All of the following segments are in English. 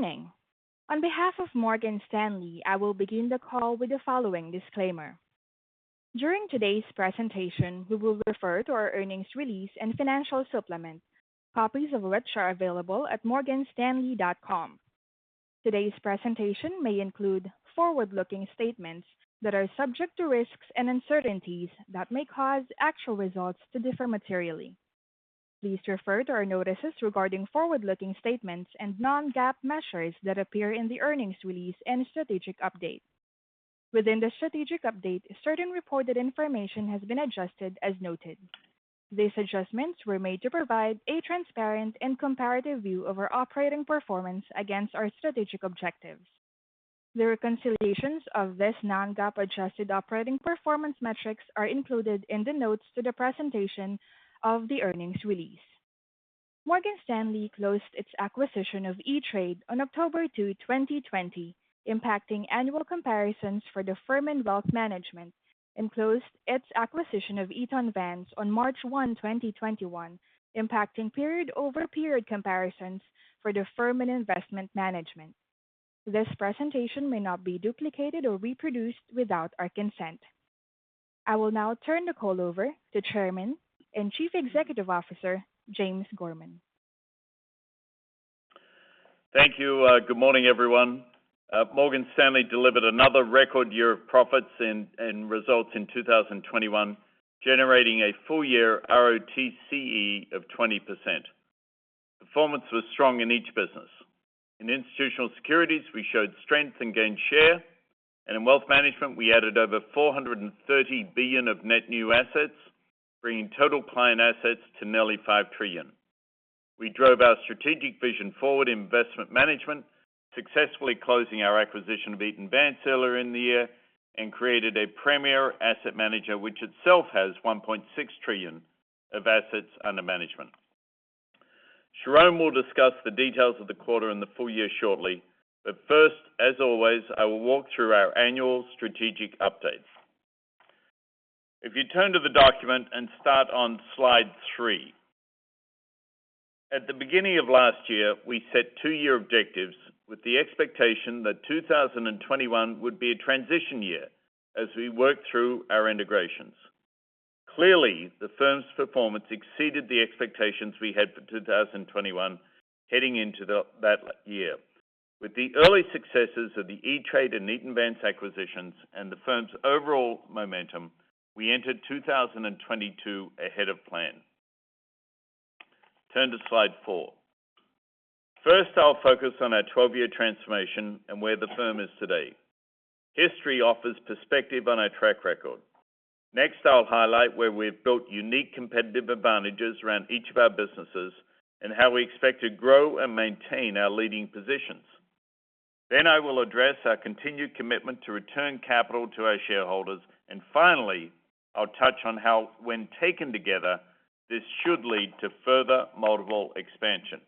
Morning. On behalf of Morgan Stanley, I will begin the call with the following disclaimer. During today's presentation, we will refer to our earnings release and financial supplement, copies of which are available at morganstanley.com. Today's presentation may include forward-looking statements that are subject to risks and uncertainties that may cause actual results to differ materially. Please refer to our notices regarding forward-looking statements and non-GAAP measures that appear in the earnings release and strategic update. Within the strategic update, certain reported information has been adjusted as noted. These adjustments were made to provide a transparent and comparative view of our operating performance against our strategic objectives. The reconciliations of this non-GAAP adjusted operating performance metrics are included in the notes to the presentation of the earnings release. Morgan Stanley closed its acquisition of E*TRADE on October 2, 2020, impacting annual comparisons for the firm and wealth management, and closed its acquisition of Eaton Vance on March one, 2021, impacting period-over-period comparisons for the firm and investment management. This presentation may not be duplicated or reproduced without our consent. I will now turn the call over to Chairman and Chief Executive Officer James Gorman. Thank you. Good morning, everyone. Morgan Stanley delivered another record year of profits and results in 2021, generating a full year ROTCE of 20%. Performance was strong in each business. In institutional securities, we showed strength and gained share, and in wealth management, we added over $430 billion of net new assets, bringing total client assets to nearly $5 trillion. We drove our strategic vision forward in Investment Management, successfully closing our acquisition of Eaton Vance earlier in the year and created a premier asset manager, which itself has $1.6 trillion of assets under management. Sharon will discuss the details of the quarter and the full year shortly, but first, as always, I will walk through our annual strategic updates. If you turn to the document and start on slide three. At the beginning of last year, we set two-year objectives with the expectation that 2021 would be a transition year as we worked through our integrations. Clearly, the firm's performance exceeded the expectations we had for 2021 heading into that year. With the early successes of the E*TRADE and Eaton Vance acquisitions and the firm's overall momentum, we entered 2022 ahead of plan. Turn to slide four. First, I'll focus on our 12-year transformation and where the firm is today. History offers perspective on our track record. Next, I'll highlight where we've built unique competitive advantages around each of our businesses and how we expect to grow and maintain our leading positions. Then I will address our continued commitment to return capital to our shareholders. Finally, I'll touch on how, when taken together, this should lead to further multiple expansion.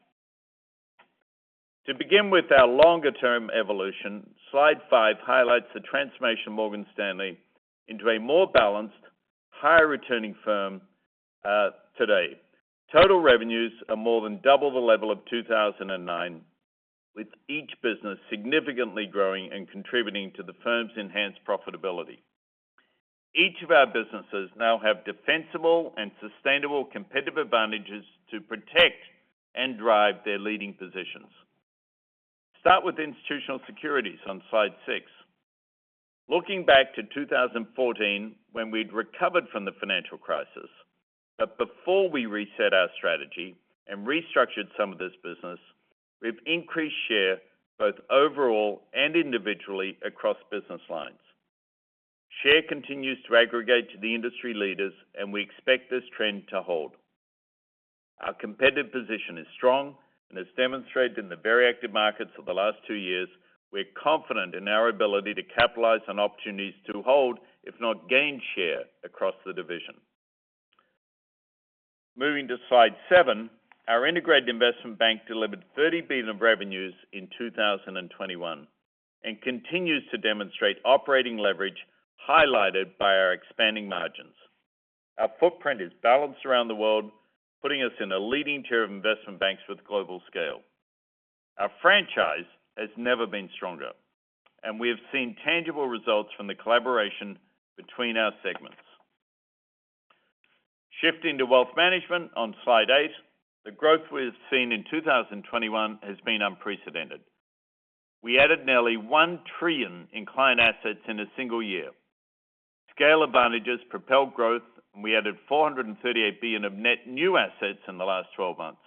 To begin with our longer-term evolution, slide five highlights the transformation of Morgan Stanley into a more balanced, higher returning firm, today. Total revenues are more than double the level of 2009, with each business significantly growing and contributing to the firm's enhanced profitability. Each of our businesses now have defensible and sustainable competitive advantages to protect and drive their leading positions. Start with Institutional Securities on slide six. Looking back to 2014 when we'd recovered from the financial crisis, but before we reset our strategy and restructured some of this business, we've increased share both overall and individually across business lines. Share continues to aggregate to the industry leaders, and we expect this trend to hold. Our competitive position is strong and has demonstrated in the very active markets for the last two years. We're confident in our ability to capitalize on opportunities to hold, if not gain share across the division. Moving to slide seven, our integrated Investment Bank delivered $30 billion of revenues in 2021 and continues to demonstrate operating leverage, highlighted by our expanding margins. Our footprint is balanced around the world, putting us in a leading tier of investment banks with global scale. Our franchise has never been stronger, and we have seen tangible results from the collaboration between our segments. Shifting to Wealth Management on slideeight, the growth we've seen in 2021 has been unprecedented. We added nearly $1 trillion in client assets in a single year. Scale advantages propelled growth, and we added $438 billion of net new assets in the last twelve months.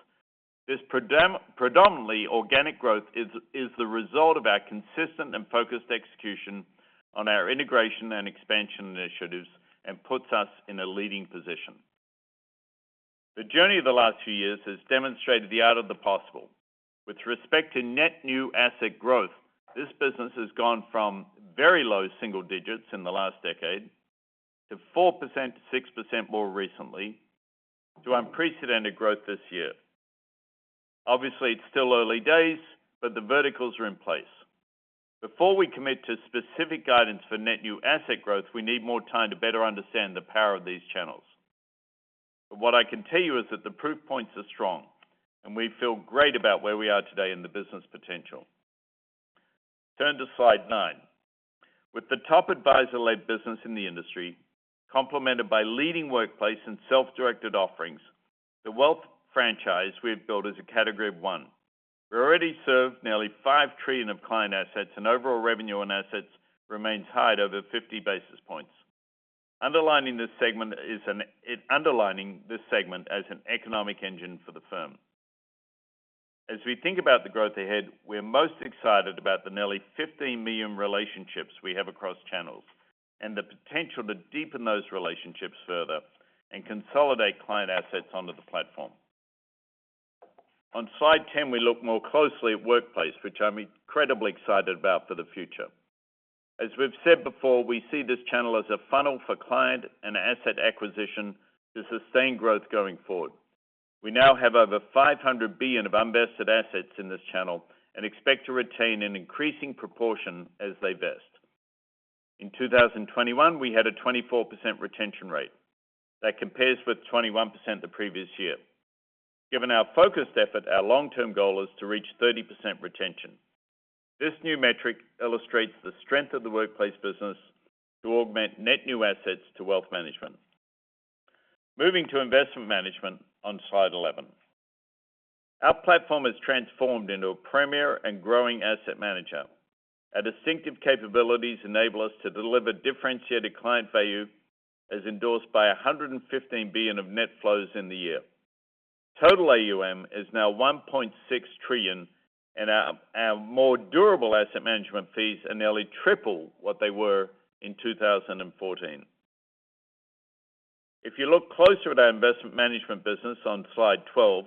This predominantly organic growth is the result of our consistent and focused execution on our integration and expansion initiatives and puts us in a leading position. The journey of the last few years has demonstrated the art of the possible. With respect to net new asset growth, this business has gone from very low single digits in the last decade to 4%-6% more recently to unprecedented growth this year. Obviously, it's still early days, but the verticals are in place. Before we commit to specific guidance for net new asset growth, we need more time to better understand the power of these channels. What I can tell you is that the proof points are strong, and we feel great about where we are today and the business potential. Turn to slide nine. With the top advisor-led business in the industry, complemented by leading workplace and self-directed offerings, the wealth franchise we've built is a category one. We already serve nearly $5 trillion of client assets, and overall revenue and assets remains high at over 50 basis points, underlining this segment as an economic engine for the firm. As we think about the growth ahead, we're most excited about the nearly 15 million relationships we have across channels and the potential to deepen those relationships further and consolidate client assets onto the platform. On slide ten, we look more closely at Workplace, which I'm incredibly excited about for the future. As we've said before, we see this channel as a funnel for client and asset acquisition to sustain growth going forward. We now have over $500 billion of unvested assets in this channel and expect to retain an increasing proportion as they vest. In 2021, we had a 24% retention rate. That compares with 21% the previous year. Given our focused effort, our long-term goal is to reach 30% retention. This new metric illustrates the strength of the Workplace business to augment net new assets to Wealth Management. Moving to Investment Management on slide eleven. Our platform has transformed into a premier and growing asset manager. Our distinctive capabilities enable us to deliver differentiated client value, as endorsed by $115 billion of net flows in the year. Total AUM is now $1.6 trillion, and our more durable asset management fees are nearly triple what they were in 2014. If you look closer at our investment management business on Slide twelve,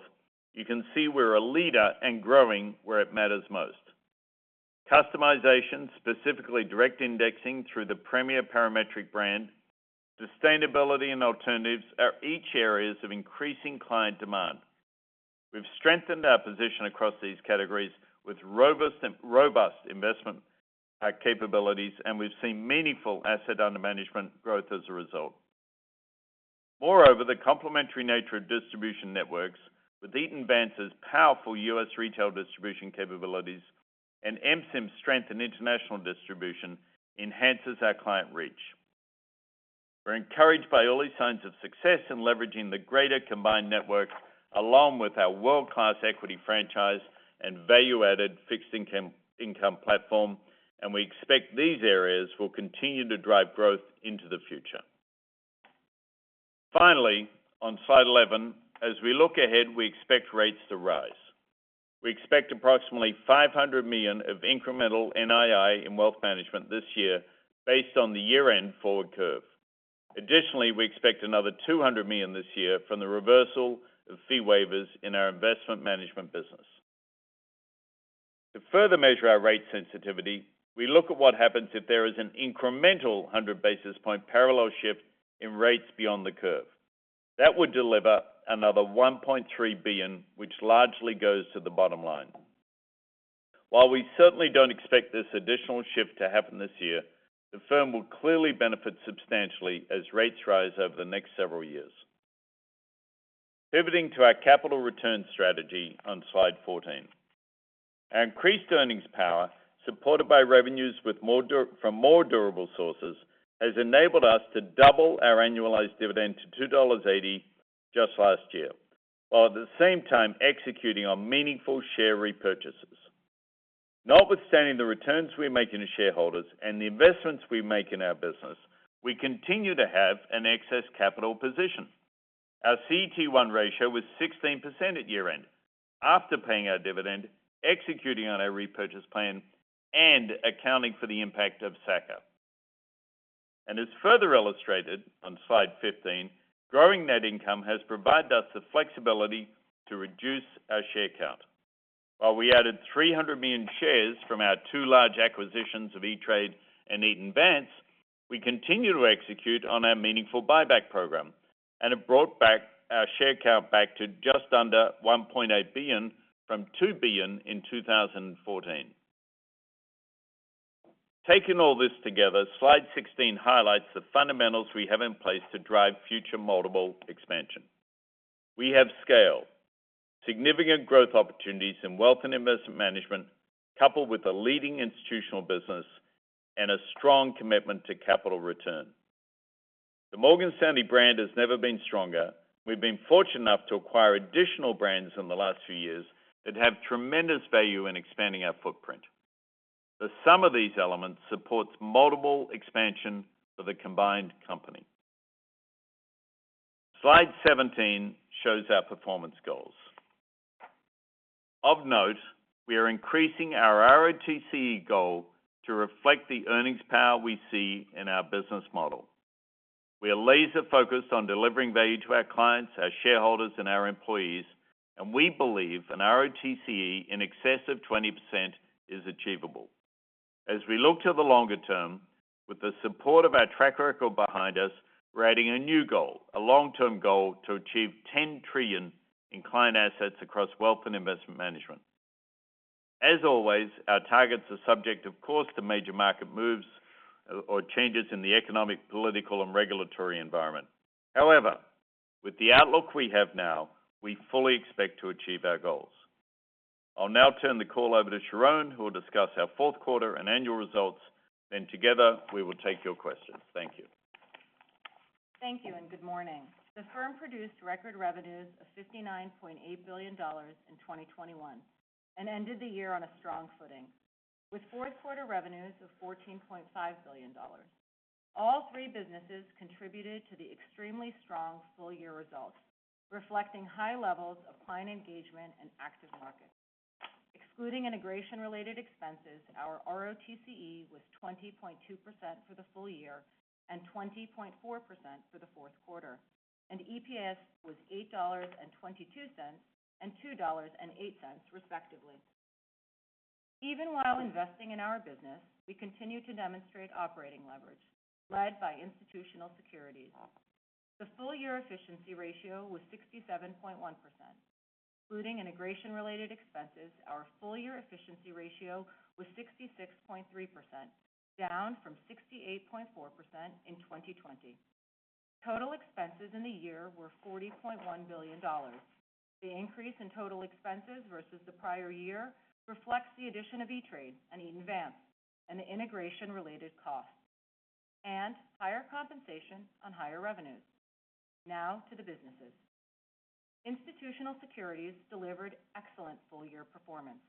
you can see we're a leader and growing where it matters most. Customization, specifically direct indexing through the premier Parametric brand, sustainability and alternatives are each areas of increasing client demand. We've strengthened our position across these categories with robust investment capabilities, and we've seen meaningful assets under management growth as a result. Moreover, the complementary nature of distribution networks with Eaton Vance's powerful U.S. retail distribution capabilities and MSIM's strength in international distribution enhances our client reach. We're encouraged by early signs of success in leveraging the greater combined network along with our world-class equity franchise and value-added fixed income platform, and we expect these areas will continue to drive growth into the future. Finally, on slide eleven, as we look ahead, we expect rates to rise. We expect approximately $500 million of incremental NII in wealth management this year based on the year-end forward curve. Additionally, we expect another $200 million this year from the reversal of fee waivers in our investment management business. To further measure our rate sensitivity, we look at what happens if there is an incremental 100 basis point parallel shift in rates beyond the curve. That would deliver another $1.3 billion, which largely goes to the bottom line. While we certainly don't expect this additional shift to happen this year, the firm will clearly benefit substantially as rates rise over the next several years. Pivoting to our capital return strategy on Slide fourteen. Our increased earnings power, supported by revenues from more durable sources, has enabled us to double our annualized dividend to $2.80 just last year, while at the same time executing on meaningful share repurchases. Notwithstanding the returns we're making to shareholders and the investments we make in our business, we continue to have an excess capital position. Our CET1 ratio was 16% at year-end after paying our dividend, executing on our repurchase plan, and accounting for the impact of SA-CCR. As further illustrated on Slide fifteen, growing net income has provided us the flexibility to reduce our share count. While we added 300 million shares from our two large acquisitions of E*TRADE and Eaton Vance, we continue to execute on our meaningful buyback program, and it brought back our share count back to just under 1.8 billion from 2 billion in 2014. Taking all this together, Slide sixteen highlights the fundamentals we have in place to drive future multiple expansion. We have scale, significant growth opportunities in wealth and investment management, coupled with a leading institutional business and a strong commitment to capital return. The Morgan Stanley brand has never been stronger. We've been fortunate enough to acquire additional brands in the last few years that have tremendous value in expanding our footprint. The sum of these elements supports multiple expansion for the combined company. Slide seventeen shows our performance goals. Of note, we are increasing our ROTCE goal to reflect the earnings power we see in our business model. We are laser-focused on delivering value to our clients, our shareholders, and our employees, and we believe an ROTCE in excess of 20% is achievable. As we look to the longer term, with the support of our track record behind us, we're adding a new goal, a long-term goal, to achieve $10 trillion in client assets across wealth and investment management. As always, our targets are subject of course to major market moves or changes in the economic, political, and regulatory environment. However, with the outlook we have now, we fully expect to achieve our goals. I'll now turn the call over to Sharon, who will discuss our fourth quarter and annual results. Then together we will take your questions. Thank you. Thank you and good morning. The firm produced record revenues of $59.8 billion in 2021 and ended the year on a strong footing with fourth-quarter revenues of $14.5 billion. All three businesses contributed to the extremely strong full-year results, reflecting high levels of client engagement and active markets. Excluding integration-related expenses, our ROTCE was 20.2% for the full year and 20.4% for the fourth quarter, and EPS was $8.22 and $2.08 respectively. Even while investing in our business, we continue to demonstrate operating leverage led by Institutional Securities. The full-year efficiency ratio was 67.1%. Including integration-related expenses, our full-year efficiency ratio was 66.3%, down from 68.4% in 2020. Total expenses in the year were $40.1 billion. The increase in total expenses versus the prior year reflects the addition of E*TRADE and Eaton Vance and the integration-related costs and higher compensation on higher revenues. Now to the businesses. Institutional Securities delivered excellent full-year performance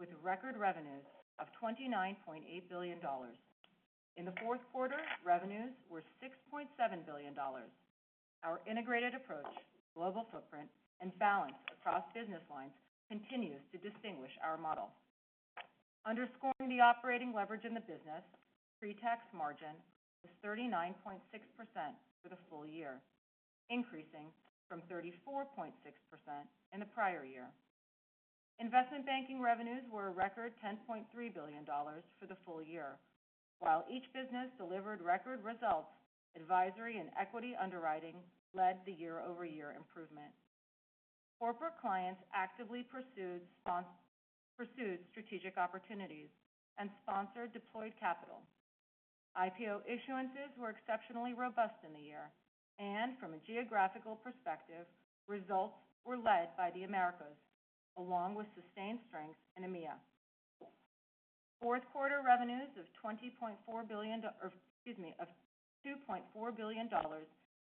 with record revenues of $29.8 billion. In the fourth quarter, revenues were $6.7 billion. Our integrated approach, global footprint, and balance across business lines continues to distinguish our model. Underscoring the operating leverage in the business, pre-tax margin was 39.6% for the full year, increasing from 34.6% in the prior year. Investment banking revenues were a record $10.3 billion for the full year. While each business delivered record results, advisory and equity underwriting led the year-over-year improvement. Corporate clients actively pursued strategic opportunities and sponsors deployed capital. IPO issuances were exceptionally robust in the year. From a geographical perspective, results were led by the Americas, along with sustained strength in EMEA. Fourth quarter revenues of $2.4 billion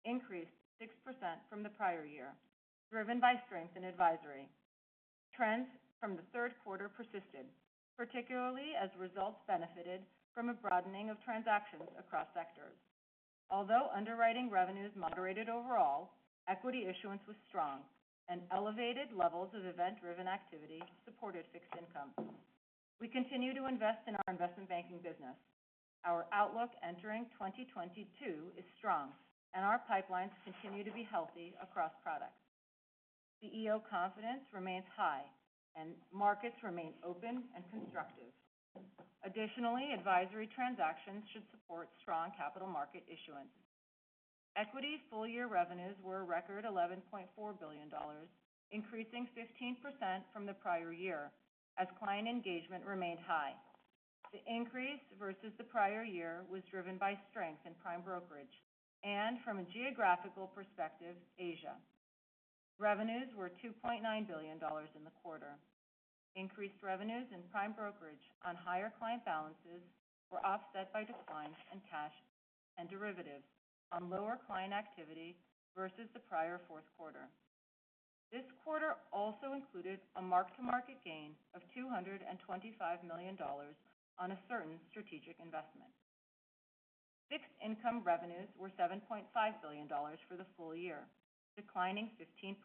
increased 6% from the prior year, driven by strength in advisory. Trends from the third quarter persisted, particularly as results benefited from a broadening of transactions across sectors. Although underwriting revenues moderated overall, equity issuance was strong, and elevated levels of event-driven activity supported fixed income. We continue to invest in our investment banking business. Our outlook entering 2022 is strong and our pipelines continue to be healthy across products. CEO confidence remains high and markets remain open and constructive. Additionally, advisory transactions should support strong capital market issuance. Equity full-year revenues were a record $11.4 billion, increasing 15% from the prior year as client engagement remained high. The increase versus the prior year was driven by strength in prime brokerage. From a geographical perspective, Asia. Revenues were $2.9 billion in the quarter. Increased revenues in prime brokerage on higher client balances were offset by declines in cash and derivatives on lower client activity versus the prior fourth quarter. This quarter also included a mark-to-market gain of $225 million on a certain strategic investment. Fixed Income revenues were $7.5 billion for the full year, declining 15%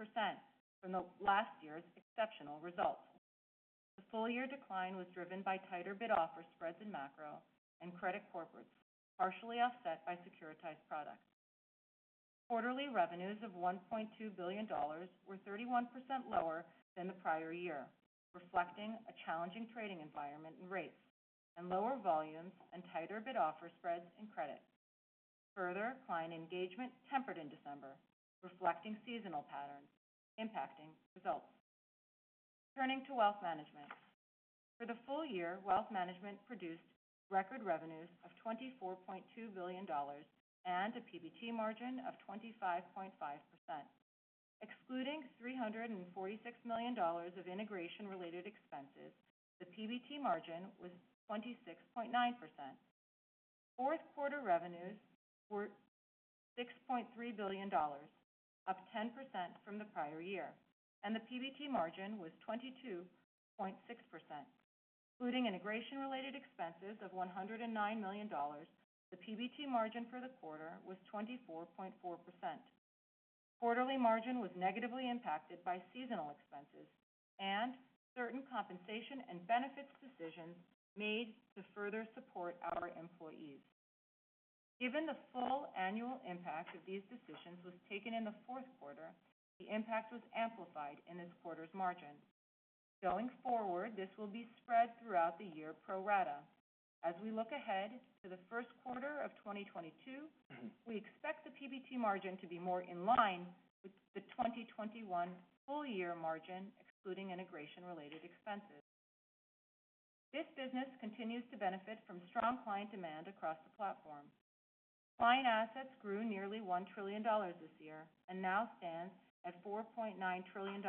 from last year's exceptional results. The full-year decline was driven by tighter bid offer spreads in macro and credit corporates, partially offset by securitized products. Quarterly revenues of $1.2 billion were 31% lower than the prior year, reflecting a challenging trading environment in rates and lower volumes and tighter bid offer spreads in credit. Further, client engagement tempered in December, reflecting seasonal patterns impacting results. Turning to Wealth Management. For the full year, Wealth Management produced record revenues of $24.2 billion and a PBT margin of 25.5%. Excluding $346 million of integration-related expenses, the PBT margin was 26.9%. Fourth quarter revenues were $6.3 billion, up 10% from the prior year, and the PBT margin was 22.6%. Including integration-related expenses of $109 million, the PBT margin for the quarter was 24.4%. Quarterly margin was negatively impacted by seasonal expenses and certain compensation and benefits decisions made to further support our employees. Given the full annual impact of these decisions was taken in the fourth quarter, the impact was amplified in this quarter's margin. Going forward, this will be about the year pro rata. As we look ahead to the first quarter of 2022, we expect the PBT margin to be more in line with the 2021 full year margin, excluding integration related expenses. This business continues to benefit from strong client demand across the platform. Client assets grew nearly $1 trillion this year and now stands at $4.9 trillion.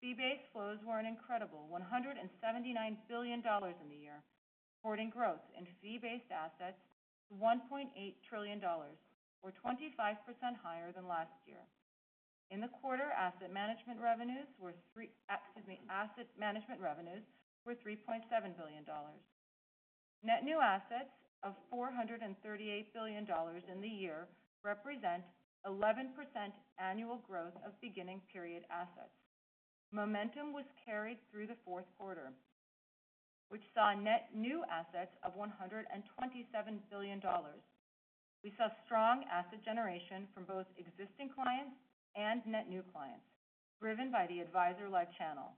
Fee-based flows were an incredible $179 billion in the year, reporting growth in fee-based assets to $1.8 trillion or 25% higher than last year. In the quarter, asset management revenues were $3.7 billion. Net new assets of $438 billion in the year represent 11% annual growth of beginning period assets. Momentum was carried through the fourth quarter, which saw net new assets of $127 billion. We saw strong asset generation from both existing clients and net new clients, driven by the advisor life channel.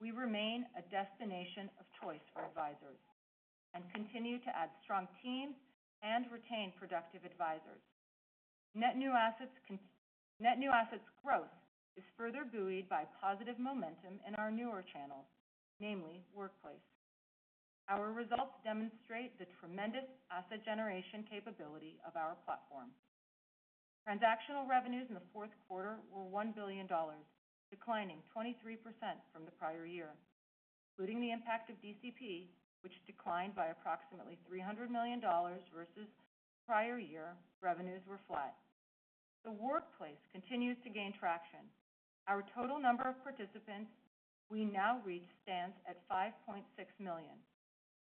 We remain a destination of choice for advisors and continue to add strong teams and retain productive advisors. Net new assets growth is further buoyed by positive momentum in our newer channels, namely Workplace. Our results demonstrate the tremendous asset generation capability of our platform. Transactional revenues in the fourth quarter were $1 billion, declining 23% from the prior year, including the impact of DCP, which declined by approximately $300 million versus prior year. Revenues were flat. The Workplace continues to gain traction. Our total number of participants we now reach stands at 5.6 million,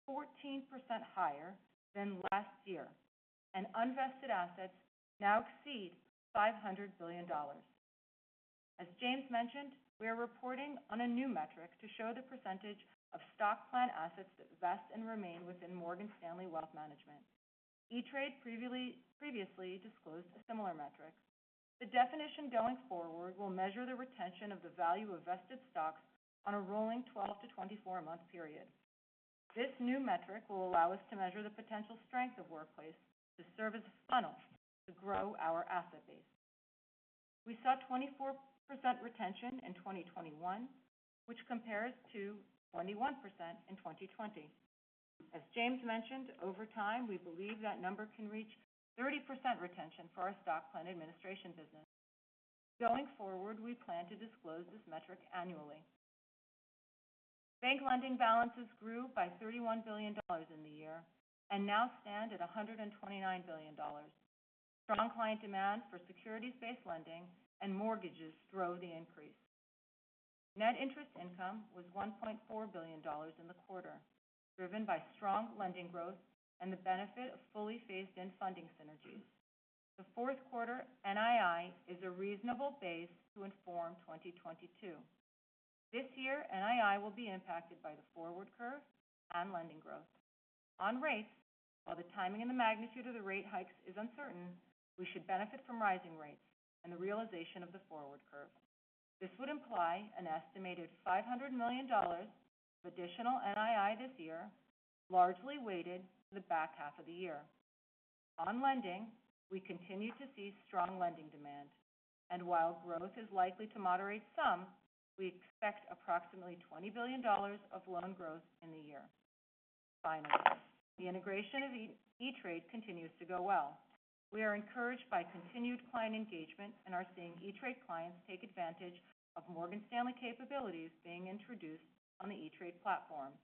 14% higher than last year, and unvested assets now exceed $500 billion. As James mentioned, we are reporting on a new metric to show the percentage of stock plan assets that vest and remain within Morgan Stanley Wealth Management. E*TRADE previously disclosed a similar metric. The definition going forward will measure the retention of the value of vested stocks on a rolling 12- to 24-month period. This new metric will allow us to measure the potential strength of Workplace to serve as a funnel to grow our asset base. We saw 24% retention in 2021, which compares to 21% in 2020. As James mentioned, over time, we believe that number can reach 30% retention for our stock plan administration business. Going forward, we plan to disclose this metric annually. Bank lending balances grew by $31 billion in the year and now stand at $129 billion. Strong client demand for securities-based lending and mortgages drove the increase. Net interest income was $1.4 billion in the quarter, driven by strong lending growth and the benefit of fully phased in funding synergies. The fourth quarter NII is a reasonable base to inform 2022. This year, NII will be impacted by the forward curve and lending growth. On rates, while the timing and the magnitude of the rate hikes is uncertain, we should benefit from rising rates and the realization of the forward curve. This would imply an estimated $500 million of additional NII this year, largely weighted to the back half of the year. On lending, we continue to see strong lending demand, and while growth is likely to moderate some, we expect approximately $20 billion of loan growth in the year. Finally, the integration of E*TRADE continues to go well. We are encouraged by continued client engagement and are seeing E*TRADE clients take advantage of Morgan Stanley capabilities being introduced on the E*TRADE platform.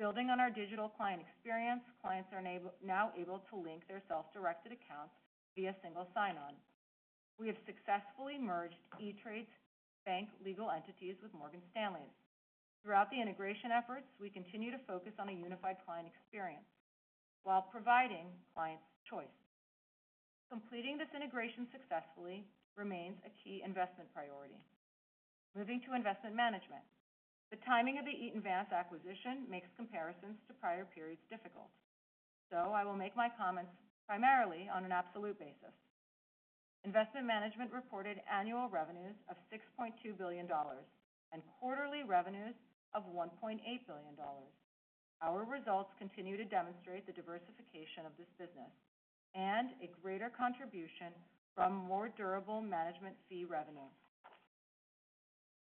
Building on our digital client experience, clients are now able to link their self-directed accounts via single sign-on. We have successfully merged E*TRADE's bank legal entities with Morgan Stanley's. Throughout the integration efforts, we continue to focus on a unified client experience while providing clients choice. Completing this integration successfully remains a key investment priority. Moving to investment management. The timing of the Eaton Vance acquisition makes comparisons to prior periods difficult. I will make my comments primarily on an absolute basis. Investment Management reported annual revenues of $6.2 billion and quarterly revenues of $1.8 billion. Our results continue to demonstrate the diversification of this business and a greater contribution from more durable management fee revenue.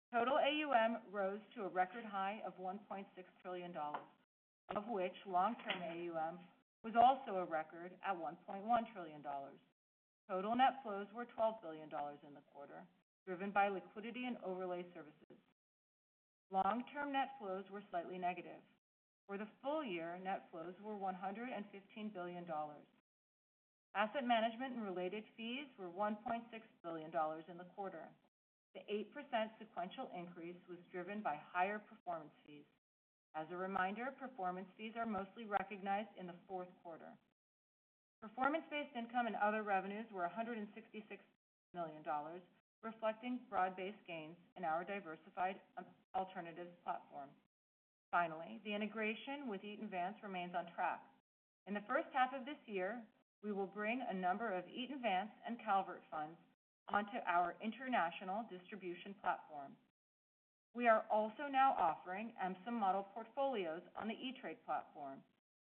Total AUM rose to a record high of $1.6 trillion, of which long-term AUM was also a record at $1.1 trillion. Total net flows were $12 billion in the quarter, driven by liquidity and overlay services. Long-term net flows were slightly negative. For the full year, net flows were $115 billion. Asset Management and related fees were $1.6 billion in the quarter. The 8% sequential increase was driven by higher performance fees. As a reminder, performance fees are mostly recognized in the fourth quarter. Performance-based income and other revenues were $166 million, reflecting broad-based gains in our diversified, alternative platform. Finally, the integration with Eaton Vance remains on track. In the first half of this year, we will bring a number of Eaton Vance and Calvert funds onto our international distribution platform. We are also now offering MSIM model portfolios on the E*TRADE platform,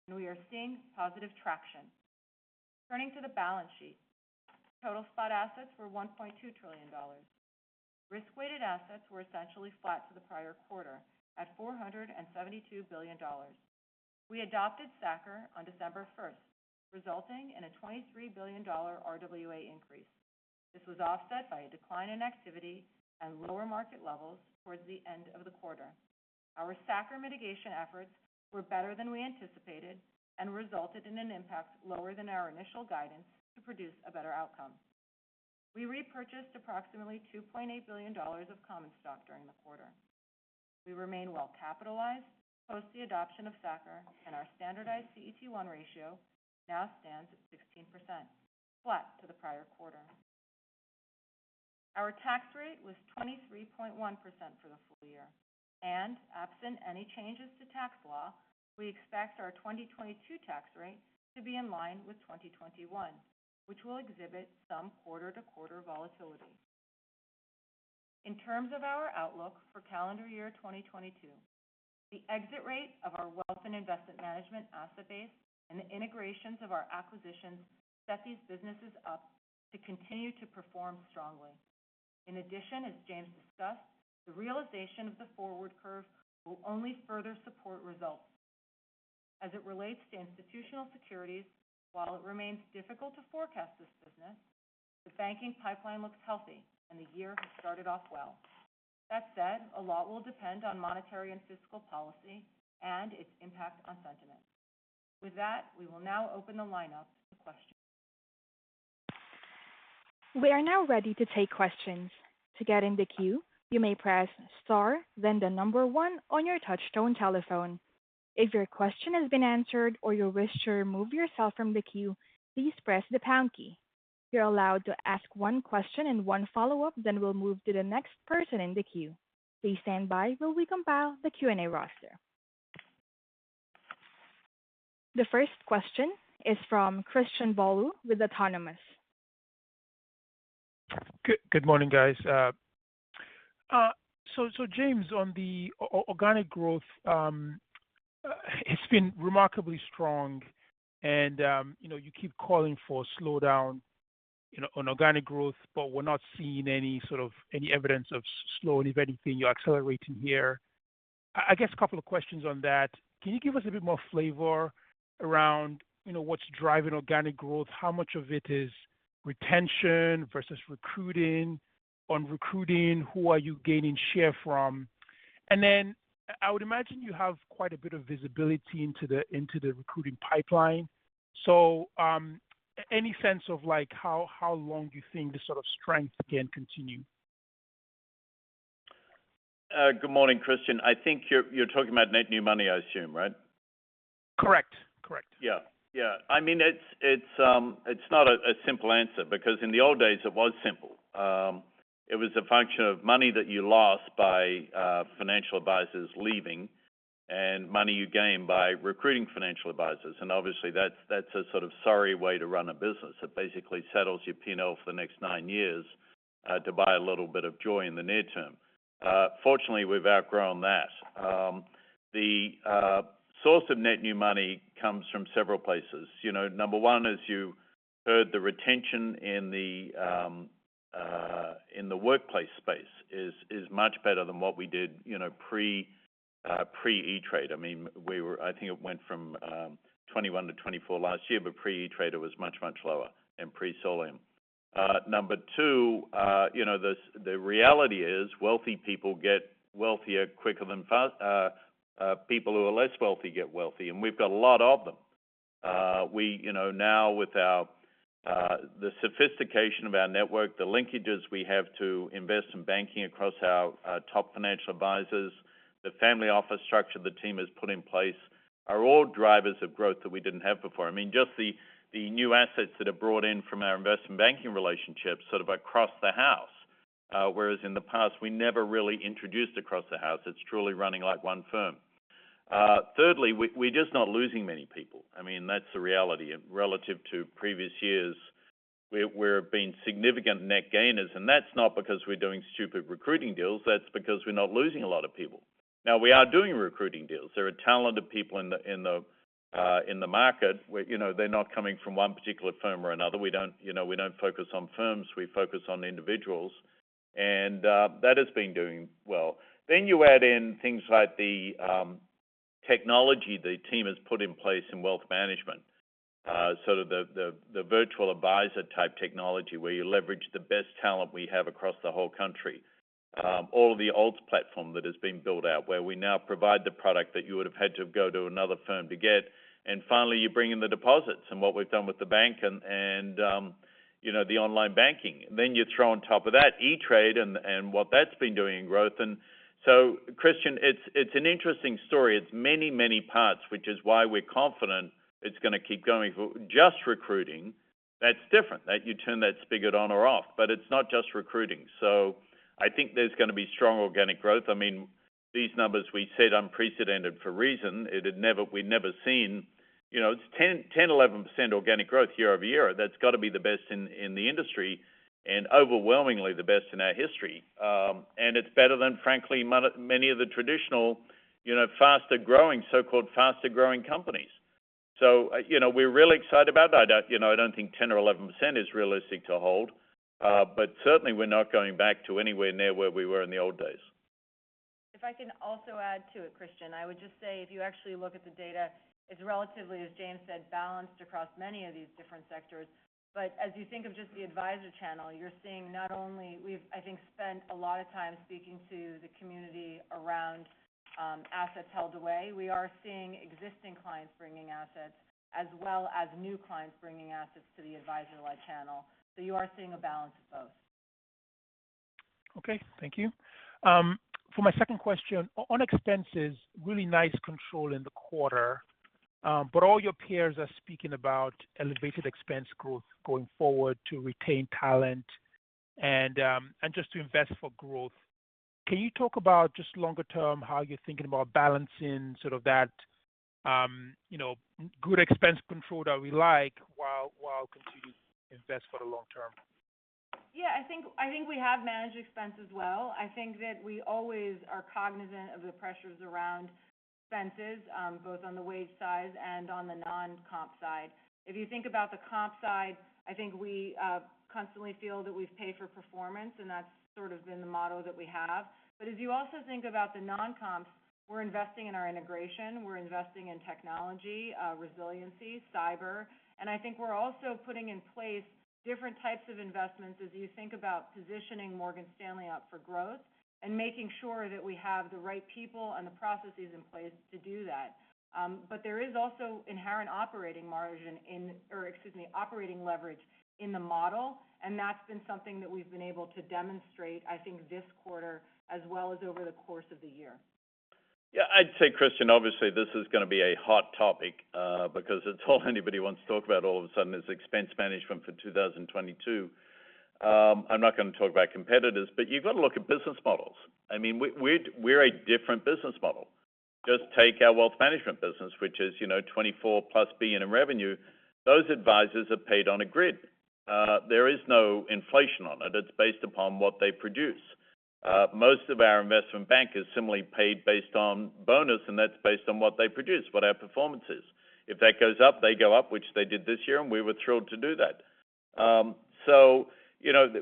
and we are seeing positive traction. Turning to the balance sheet. Total spot assets were $1.2 trillion. Risk-weighted assets were essentially flat to the prior quarter at $472 billion. We adopted SA-CCR on December 1st, resulting in a $23 billion RWA increase. This was offset by a decline in activity and lower market levels towards the end of the quarter. Our SA-CCR mitigation efforts were better than we anticipated and resulted in an impact lower than our initial guidance to produce a better outcome. We repurchased approximately $2.8 billion of common stock during the quarter. We remain well-capitalized post the adoption of SA-CCR, and our standardized CET1 ratio now stands at 16%, flat to the prior quarter. Our tax rate was 23.1% for the full year. Absent any changes to tax law, we expect our 2022 tax rate to be in line with 2021, which will exhibit some quarter-to-quarter volatility. In terms of our outlook for calendar year 2022, the exit rate of our Wealth and Investment Management asset base and the integrations of our acquisitions set these businesses up to continue to perform strongly. In addition, as James discussed, the realization of the forward curve will only further support results. As it relates to Institutional Securities, while it remains difficult to forecast this business, the banking pipeline looks healthy and the year has started off well. That said, a lot will depend on monetary and fiscal policy and its impact on sentiment. With that, we will now open the line up to questions. We are now ready to take questions. To get in the queue, you may press Star, then the number one on your touchtone telephone. If your question has been answered or you wish to remove yourself from the queue, please press the pound key. You're allowed to ask one question and one follow-up, then we'll move to the next person in the queue. Please stand by while we compile the Q&A roster. The first question is from Christian Bolu with Autonomous. Good morning, guys. So James, on the organic growth, it's been remarkably strong and, you know, you keep calling for a slowdown, you know, on organic growth, but we're not seeing any evidence of slowing. If anything, you're accelerating here. I guess a couple of questions on that. Can you give us a bit more flavor around, you know, what's driving organic growth? How much of it is retention versus recruiting? On recruiting, who are you gaining share from? And then I would imagine you have quite a bit of visibility into the recruiting pipeline. Any sense of like how long do you think this sort of strength can continue? Good morning, Christian. I think you're talking about net new money, I assume, right? Correct. Correct. Yeah. Yeah. I mean, it's not a simple answer because in the old days it was simple. It was a function of money that you lost by financial advisors leaving and money you gain by recruiting financial advisors. Obviously that's a sort of sorry way to run a business. It basically settles your P&L for the next nine years to buy a little bit of joy in the near term. Fortunately, we've outgrown that. The source of net new money comes from several places. You know, number one, as you heard, the retention in the workplace space is much better than what we did, you know, pre E*TRADE. I mean, I think it went from 21-24 last year, but pre E*TRADE it was much, much lower and pre Solium. Number two, you know, the reality is wealthy people get wealthier quicker than fast people who are less wealthy get wealthy, and we've got a lot of them. We, you know, now with our the sophistication of our network, the linkages we have to investment banking across our top financial advisors, the family office structure the team has put in place are all drivers of growth that we didn't have before. I mean, just the new assets that are brought in from our investment banking relationships sort of across the house, whereas in the past, we never really introduced across the house. It's truly running like one firm. Thirdly, we're just not losing many people. I mean, that's the reality. Relative to previous years, we're being significant net gainers. That's not because we're doing stupid recruiting deals. That's because we're not losing a lot of people. Now, we are doing recruiting deals. There are talented people in the market where, you know, they're not coming from one particular firm or another. We don't, you know, we don't focus on firms. We focus on individuals. That has been doing well. You add in things like the technology the team has put in place in wealth management, so the virtual advisor type technology where you leverage the best talent we have across the whole country. the alts platform that has been built out where we now provide the product that you would have had to go to another firm to get. Finally, you bring in the deposits and what we've done with the bank and you know, the online banking. You throw on top of that E*TRADE and what that's been doing in growth. Christian, it's an interesting story. It's many parts, which is why we're confident it's going to keep going for just recruiting. That's different. That you turn that spigot on or off, but it's not just recruiting. I think there's gonna be strong organic growth. I mean, these numbers we said unprecedented for a reason. We'd never seen, you know, it's 10%-11% organic growth year-over-year. That's got to be the best in the industry and overwhelmingly the best in our history. It's better than, frankly, many of the traditional, you know, faster-growing, so-called faster-growing companies. You know, we're really excited about that. You know, I don't think 10 or 11% is realistic to hold, but certainly we're not going back to anywhere near where we were in the old days. If I can also add to it, Christian, I would just say, if you actually look at the data, it's relatively, as James said, balanced across many of these different sectors. But as you think of just the advisor channel, you're seeing we've, I think, spent a lot of time speaking to the community around, assets held away. We are seeing existing clients bringing assets as well as new clients bringing assets to the advisor-like channel. You are seeing a balance of both. Okay, thank you. For my second question, on expenses, really nice control in the quarter, but all your peers are speaking about elevated expense growth going forward to retain talent and just to invest for growth. Can you talk about just longer term, how you're thinking about balancing sort of that good expense control that we like while continuing to invest for the long term? Yeah, I think we have managed expenses well. I think that we always are cognizant of the pressures around expenses, both on the wage side and on the non-comp side. If you think about the comp side, I think we constantly feel that we've paid for performance, and that's sort of been the motto that we have. As you also think about the non-comps, we're investing in our integration, we're investing in technology, resiliency, cyber. I think we're also putting in place different types of investments as you think about positioning Morgan Stanley up for growth and making sure that we have the right people and the processes in place to do that. There is also inherent operating margin in Excuse me, operating leverage in the model, and that's been something that we've been able to demonstrate, I think, this quarter as well as over the course of the year. Yeah. I'd say, Christian, obviously, this is gonna be a hot topic, because it's all anybody wants to talk about all of a sudden is expense management for 2022. I'm not gonna talk about competitors, but you've got to look at business models. I mean, we're a different business model. Just take our Wealth Management business, which is, you know, $24+ billion in revenue. Those advisors are paid on a grid. There is no inflation on it. It's based upon what they produce. Most of our investment bank is similarly paid based on bonus, and that's based on what they produce, what our performance is. If that goes up, they go up, which they did this year, and we were thrilled to do that. You know,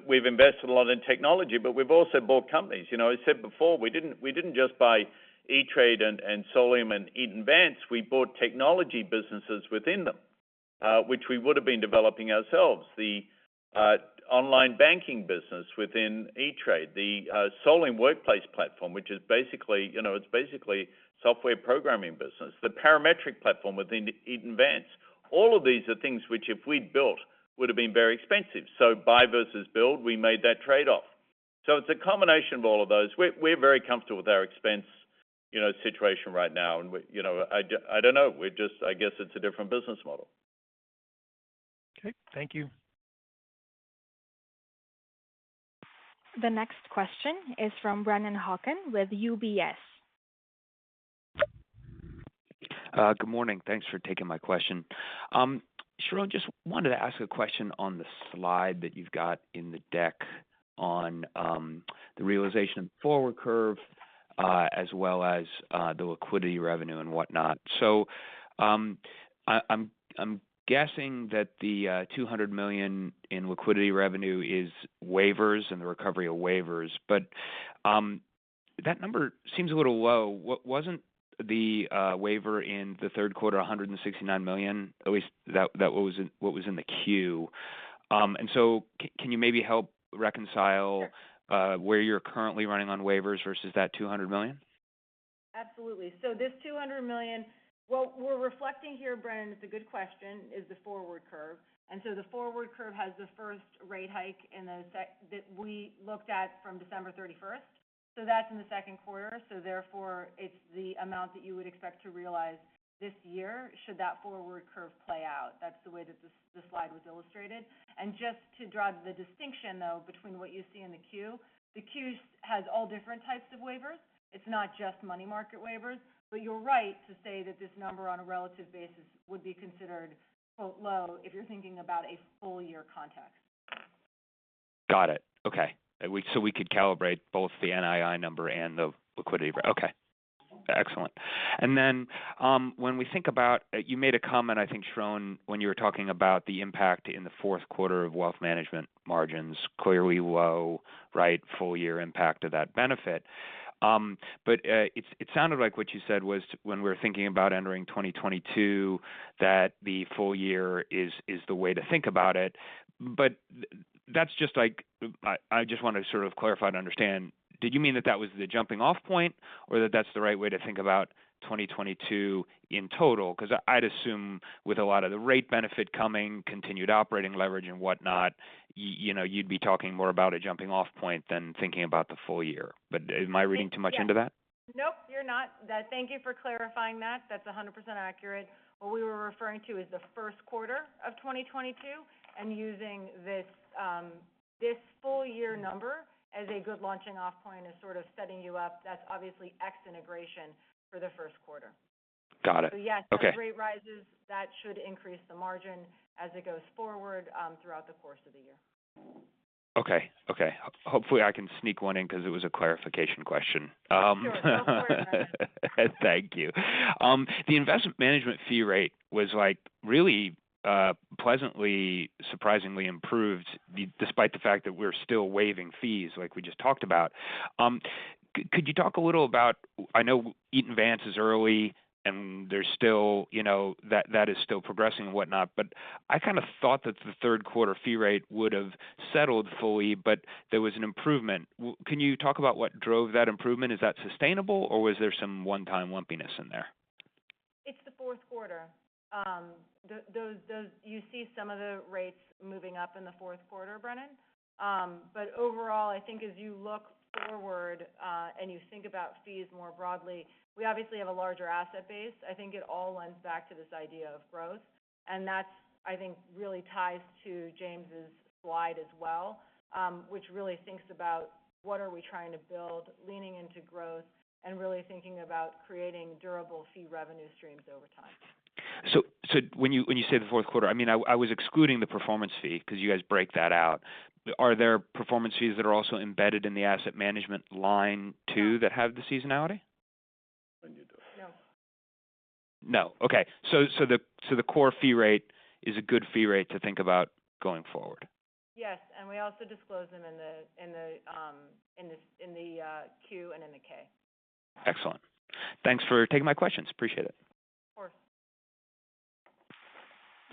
we've invested a lot in technology, but we've also bought companies. You know, I said before, we didn't just buy E*TRADE and Solium and Eaton Vance, we bought technology businesses within them, which we would have been developing ourselves. The online banking business within E*TRADE, the Solium workplace platform, which is basically, you know, it's basically software programming business. The Parametric platform within Eaton Vance. All of these are things which if we'd built, would have been very expensive. Buy versus build, we made that trade-off. It's a combination of all of those. We're very comfortable with our expense, you know, situation right now. You know, I don't know. I guess it's a different business model. Okay, thank you. The next question is from Brennan Hawken with UBS. Good morning. Thanks for taking my question. Sharon, just wanted to ask a question on the slide that you've got in the deck on the realization of the forward curve, as well as the liquidity revenue and whatnot. I'm guessing that the $200 million in liquidity revenue is waivers and the recovery of waivers, but that number seems a little low. Wasn't the waiver in the third quarter $169 million? At least that's what was in the queue. Can you maybe help reconcile where you're currently running on waivers versus that $200 million? Absolutely. This $200 million, what we're reflecting here, Brennan, it's a good question, is the forward curve. The forward curve has the first rate hike that we looked at from December 31. That's in the second quarter. Therefore, it's the amount that you would expect to realize this year should that forward curve play out. That's the way that the slide was illustrated. Just to draw the distinction, though, between what you see in the Q, the Q's has all different types of waivers. It's not just money market waivers. You're right to say that this number on a relative basis would be considered, quote, "low" if you're thinking about a full year context. Got it. Okay. So we could calibrate both the NII number and the liquidity. Okay. Excellent. When we think about you made a comment, I think, Sharon, when you were talking about the impact in the fourth quarter of Wealth Management margins, clearly low, right? Full year impact of that benefit. It sounded like what you said was when we're thinking about entering 2022, that the full year is the way to think about it. That's just like I just want to sort of clarify to understand, did you mean that that was the jumping-off point or that that's the right way to think about 2022 in total? 'Cause I'd assume with a lot of the rate benefit coming, continued operating leverage and whatnot, you know, you'd be talking more about a jumping-off point than thinking about the full year. Am I reading too much into that? Nope, you're not. Thank you for clarifying that. That's 100% accurate. What we were referring to is the first quarter of 2022 and using this full year number as a good launching off point is sort of setting you up. That's obviously E*TRADE integration for the first quarter. Got it. Okay. Yes, as rate rises, that should increase the margin as it goes forward, throughout the course of the year. Okay. Hopefully, I can sneak one in 'cause it was a clarification question. Sure. Go for it, Brennan. Thank you. The investment management fee rate was, like, really, pleasantly surprisingly improved despite the fact that we're still waiving fees like we just talked about. Could you talk a little about it? I know Eaton Vance is early, and there's still, you know, that is still progressing and whatnot, but I kind of thought that the third quarter fee rate would have settled fully, but there was an improvement. Can you talk about what drove that improvement? Is that sustainable, or was there some one-time lumpiness in there? It's the fourth quarter. You see some of the rates moving up in the fourth quarter, Brennan. Overall, I think as you look forward, and you think about fees more broadly, we obviously have a larger asset base. I think it all lends back to this idea of growth, and that's, I think, really ties to James' slide as well, which really thinks about what are we trying to build, leaning into growth, and really thinking about creating durable fee revenue streams over time. when you say the fourth quarter, I mean, I was excluding the performance fee 'cause you guys break that out. Are there performance fees that are also embedded in the asset management line too that have the seasonality? No. No. Okay. The core fee rate is a good fee rate to think about going forward. Yes. We also disclose them in the Q and in the K. Excellent. Thanks for taking my questions. Appreciate it.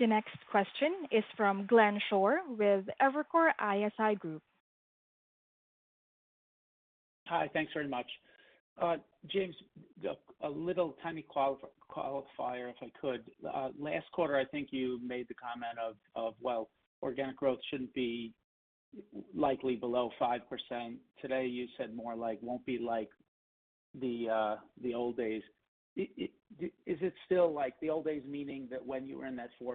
Of course. The next question is from Glenn Schorr with Evercore ISI. Hi. Thanks very much. James, a little tiny qualifier, if I could. Last quarter, I think you made the comment that, well, organic growth shouldn't be likely below 5%. Today, you said more like it won't be like the old days. Is it still like the old days, meaning that when you were in that 4%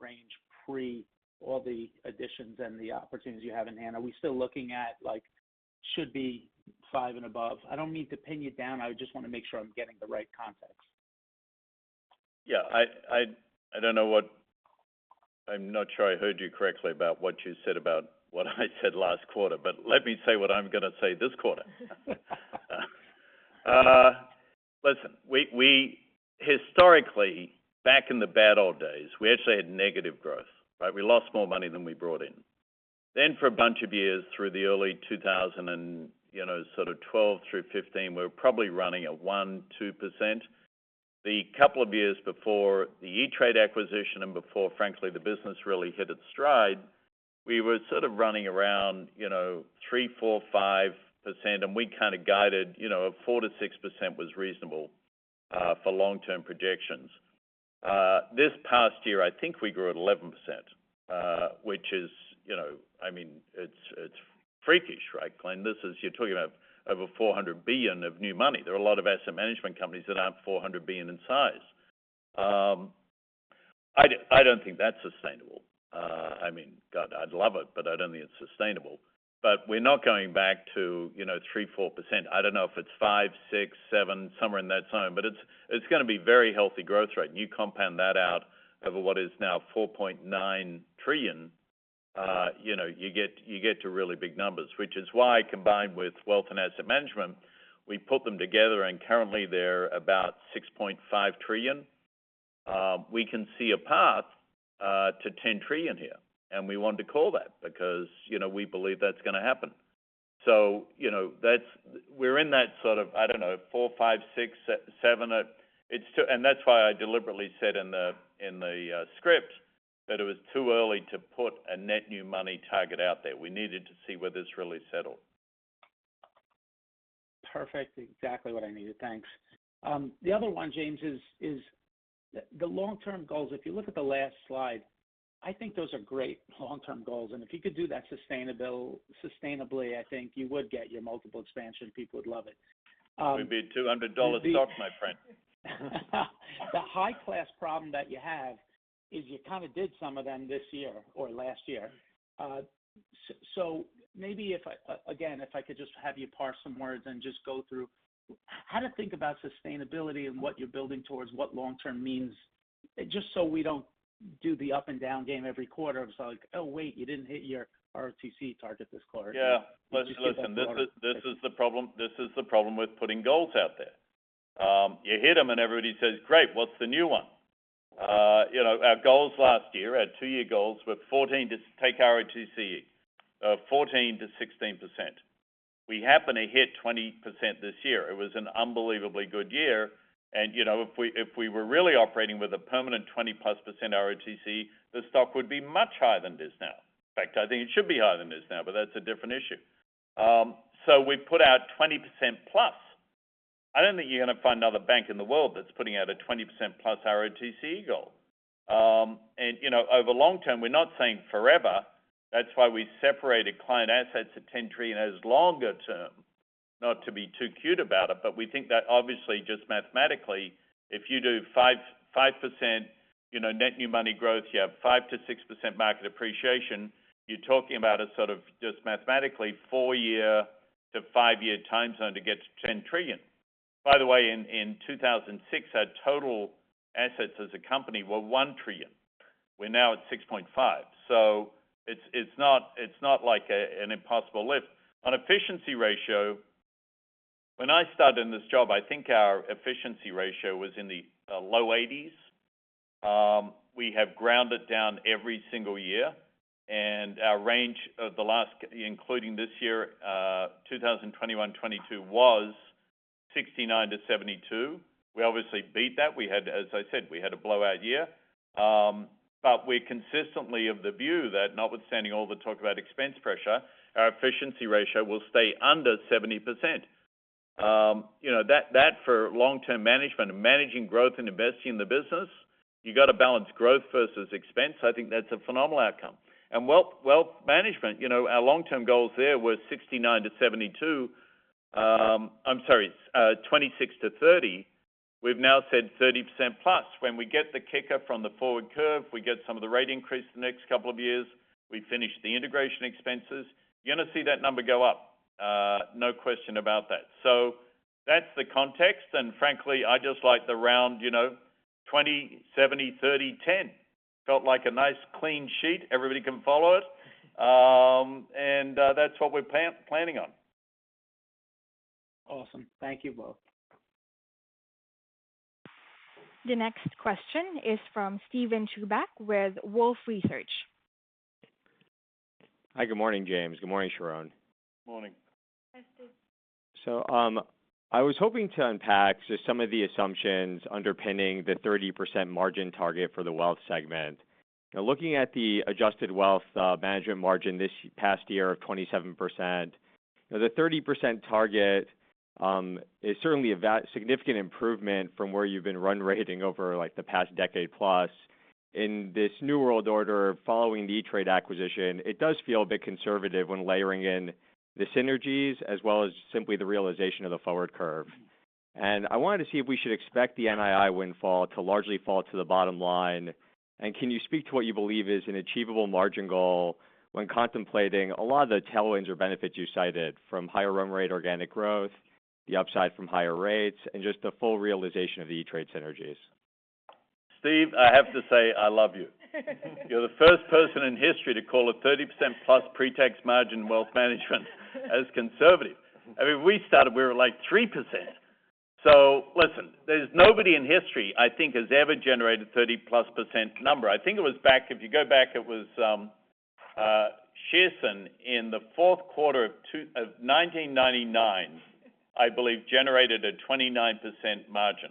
range pre all the additions and the opportunities you have in hand, are we still looking at, like, should be 5% and above? I don't mean to pin you down. I would just wanna make sure I'm getting the right context. Yeah. I'm not sure I heard you correctly about what you said about what I said last quarter, but let me say what I'm gonna say this quarter. Listen, we historically, back in the bad old days, we actually had negative growth, right? We lost more money than we brought in. Then for a bunch of years through the early 2000s, you know, sort of 2012 through 2015, we were probably running at 1, 2%. The couple of years before the E*TRADE acquisition and before, frankly, the business really hit its stride, we were sort of running around, you know, 3, 4, 5%, and we kinda guided, you know, 4%-6% was reasonable for long-term projections. This past year, I think we grew at 11%, which is, you know, I mean, it's freakish, right, Glenn? This is you're talking about over $400 billion of new money. There are a lot of asset management companies that aren't $400 billion in size. I don't think that's sustainable. I mean, God, I'd love it, but I don't think it's sustainable. We're not going back to, you know, 3%-4%. I don't know if it's 5, 6, 7, somewhere in that zone. It's gonna be very healthy growth rate. You compound that out over what is now $4.9 trillion, you know, you get to really big numbers, which is why combined with wealth and asset management, we put them together, and currently they're about $6.5 trillion. We can see a path to $10 trillion here, and we want to call that because, you know, we believe that's gonna happen. You know, that's why we're in that sort of, I don't know, 4, 5, 6, 7. It's still. That's why I deliberately said in the script that it was too early to put a net new money target out there. We needed to see where this really settled. Perfect. Exactly what I needed. Thanks. The other one, James, is the long-term goals. If you look at the last slide, I think those are great long-term goals, and if you could do that sustainably, I think you would get your multiple expansion. People would love it. We'd be at $200 a stock, my friend. The high-class problem that you have is you kinda did some of them this year or last year. So maybe if I could just have you parse some words and just go through how to think about sustainability and what you're building towards, what long-term means, just so we don't do the up and down game every quarter of like, "Oh, wait, you didn't hit your ROTCE target this quarter. Yeah. Listen. This is the problem with putting goals out there. You hit them and everybody says, "Great. What's the new one?" You know, our goals last year, our two-year goals, were 14%-16% ROTCE. We happen to hit 20% this year. It was an unbelievably good year. You know, if we were really operating with a permanent 20%+ ROTCE, the stock would be much higher than it is now. In fact, I think it should be higher than it is now, but that's a different issue. So we put out 20%+. I don't think you're gonna find another bank in the world that's putting out a 20%+ ROTCE goal. You know, over long term, we're not saying forever. That's why we separated client assets to $10 trillion as longer term. Not to be too cute about it, but we think that obviously just mathematically, if you do 5.5%, you know, net new money growth, you have 5%-6% market appreciation, you're talking about a sort of, just mathematically, four-year to five-year time zone to get to $10 trillion. By the way, in 2006, our total assets as a company were $1 trillion. We're now at $6.5 trillion. It's not like an impossible lift. On efficiency ratio, when I started in this job, I think our efficiency ratio was in the low 80s. We have ground down every single year, and our range of the last including this year, 2021, 2022 was 69%-72%. We obviously beat that. We had, as I said, a blowout year. But we're consistently of the view that notwithstanding all the talk about expense pressure, our efficiency ratio will stay under 70%. You know, that for long-term management and managing growth and investing in the business, you've got to balance growth versus expense. I think that's a phenomenal outcome. Wealth management, you know, our long-term goals there were 69-72. I'm sorry, 26-30. We've now said 30%+. When we get the kicker from the forward curve, we get some of the rate increase the next couple of years, we finish the integration expenses, you're gonna see that number go up. No question about that. That's the context. Frankly, I just like the round, you know, 20, 70, 30, 10. Felt like a nice clean sheet. Everybody can follow it. That's what we're planning on. Awesome. Thank you both. The next question is from Steven Chubak with Wolfe Research. Hi. Good morning, James. Good morning, Sharon. Morning. Hi, Steve. I was hoping to unpack just some of the assumptions underpinning the 30% margin target for the wealth segment. Now, looking at the adjusted wealth management margin this past year of 27%, the 30% target is certainly a significant improvement from where you've been run-rate in over, like, the past decade plus. In this new world order, following the E*TRADE acquisition, it does feel a bit conservative when layering in the synergies as well as simply the realization of the forward curve. I wanted to see if we should expect the NII windfall to largely fall to the bottom line. Can you speak to what you believe is an achievable margin goal when contemplating a lot of the tailwinds or benefits you cited from higher run rate organic growth, the upside from higher rates, and just the full realization of the E*TRADE synergies? Steve, I have to say I love you. You're the first person in history to call a 30%+ pre-tax margin wealth management as conservative. I mean, we started, we were like 3%. Listen, there's nobody in history, I think, has ever generated 30%+ number. I think it was back if you go back, it was Shearson in the fourth quarter of 1999, I believe, generated a 29% margin.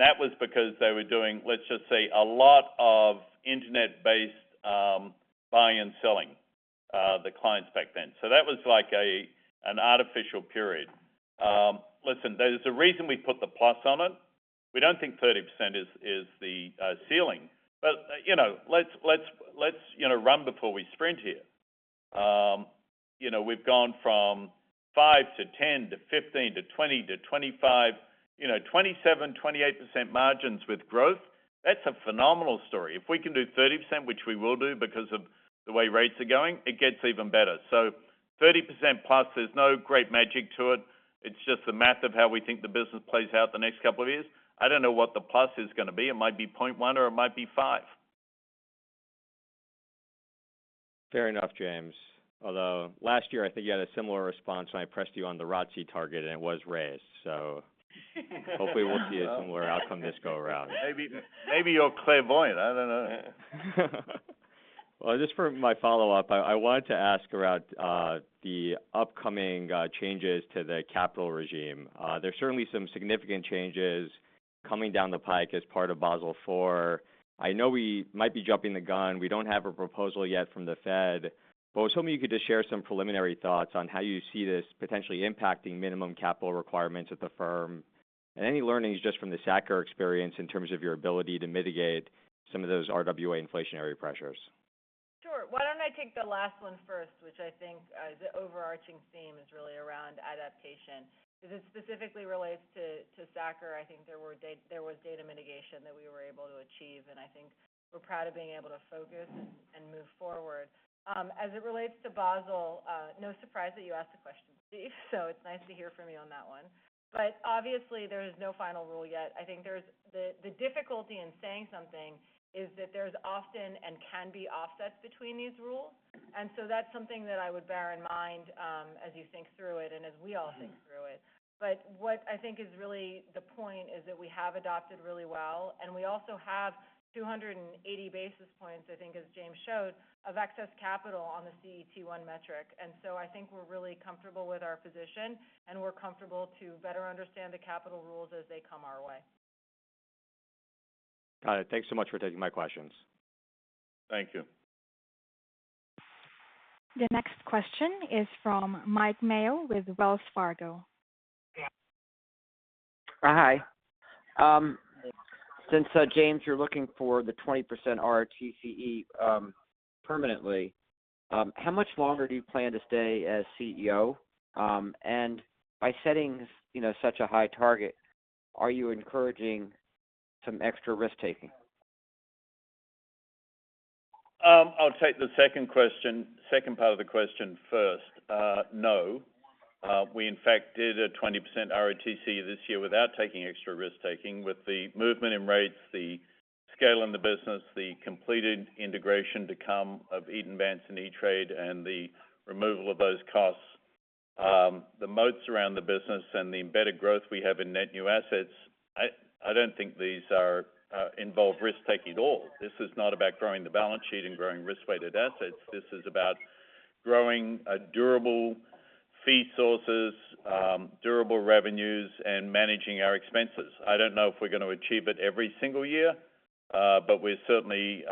That was because they were doing, let's just say, a lot of internet-based buying and selling by the clients back then. That was like an artificial period. Listen, there's a reason we put the plus on it. We don't think 30% is the ceiling. You know, let's run before we sprint here. You know, we've gone from 5% to 10% to 15% to 20% to 25%, you know, 27%, 28% margins with growth. That's a phenomenal story. If we can do 30%, which we will do because of the way rates are going, it gets even better. 30% plus, there's no great magic to it. It's just the math of how we think the business plays out the next couple of years. I don't know what the plus is gonna be. It might be point one or it might be five. Fair enough, James. Although last year, I think you had a similar response when I pressed you on the ROTCE target and it was raised. Hopefully we'll see a similar outcome this go around. Maybe, maybe you're clairvoyant. I don't know. Well, just for my follow-up, I wanted to ask around the upcoming changes to the capital regime. There's certainly some significant changes coming down the pike as part of Basel IV. I know we might be jumping the gun. We don't have a proposal yet from the Fed. I was hoping you could just share some preliminary thoughts on how you see this potentially impacting minimum capital requirements at the firm. Any learnings just from the SA-CCR experience in terms of your ability to mitigate some of those RWA inflationary pressures? Sure. Why don't I take the last one first, which I think the overarching theme is really around adaptation. As it specifically relates to SA-CCR, I think there was data mitigation that we were able to achieve, and I think we're proud of being able to focus and move forward. As it relates to Basel, no surprise that you asked the question, Steven, so it's nice to hear from you on that one. Obviously, there's no final rule yet. I think there's the difficulty in saying something is that there's often and can be offsets between these rules. That's something that I would bear in mind as you think through it and as we all think through it. What I think is really the point is that we have adopted really well, and we also have 280 basis points, I think, as James showed, of excess capital on the CET1 metric. I think we're really comfortable with our position and we're comfortable to better understand the capital rules as they come our way. Got it. Thanks so much for taking my questions. Thank you. The next question is from Mike Mayo with Wells Fargo. Hi. Since, James, you're looking for the 20% ROTCE, permanently, how much longer do you plan to stay as CEO? By setting, you know, such a high target, are you encouraging some extra risk-taking? I'll take the second question, second part of the question first. No. We in fact did a 20% ROTCE this year without taking extra risk. With the movement in rates, the scale in the business, the completed integration to come of Eaton Vance and E*TRADE, and the removal of those costs, the moats around the business and the embedded growth we have in net new assets, I don't think these are involve risk-taking at all. This is not about growing the balance sheet and growing risk-weighted assets. This is about growing a durable fee sources, durable revenues, and managing our expenses. I don't know if we're gonna achieve it every single year, but we're certainly,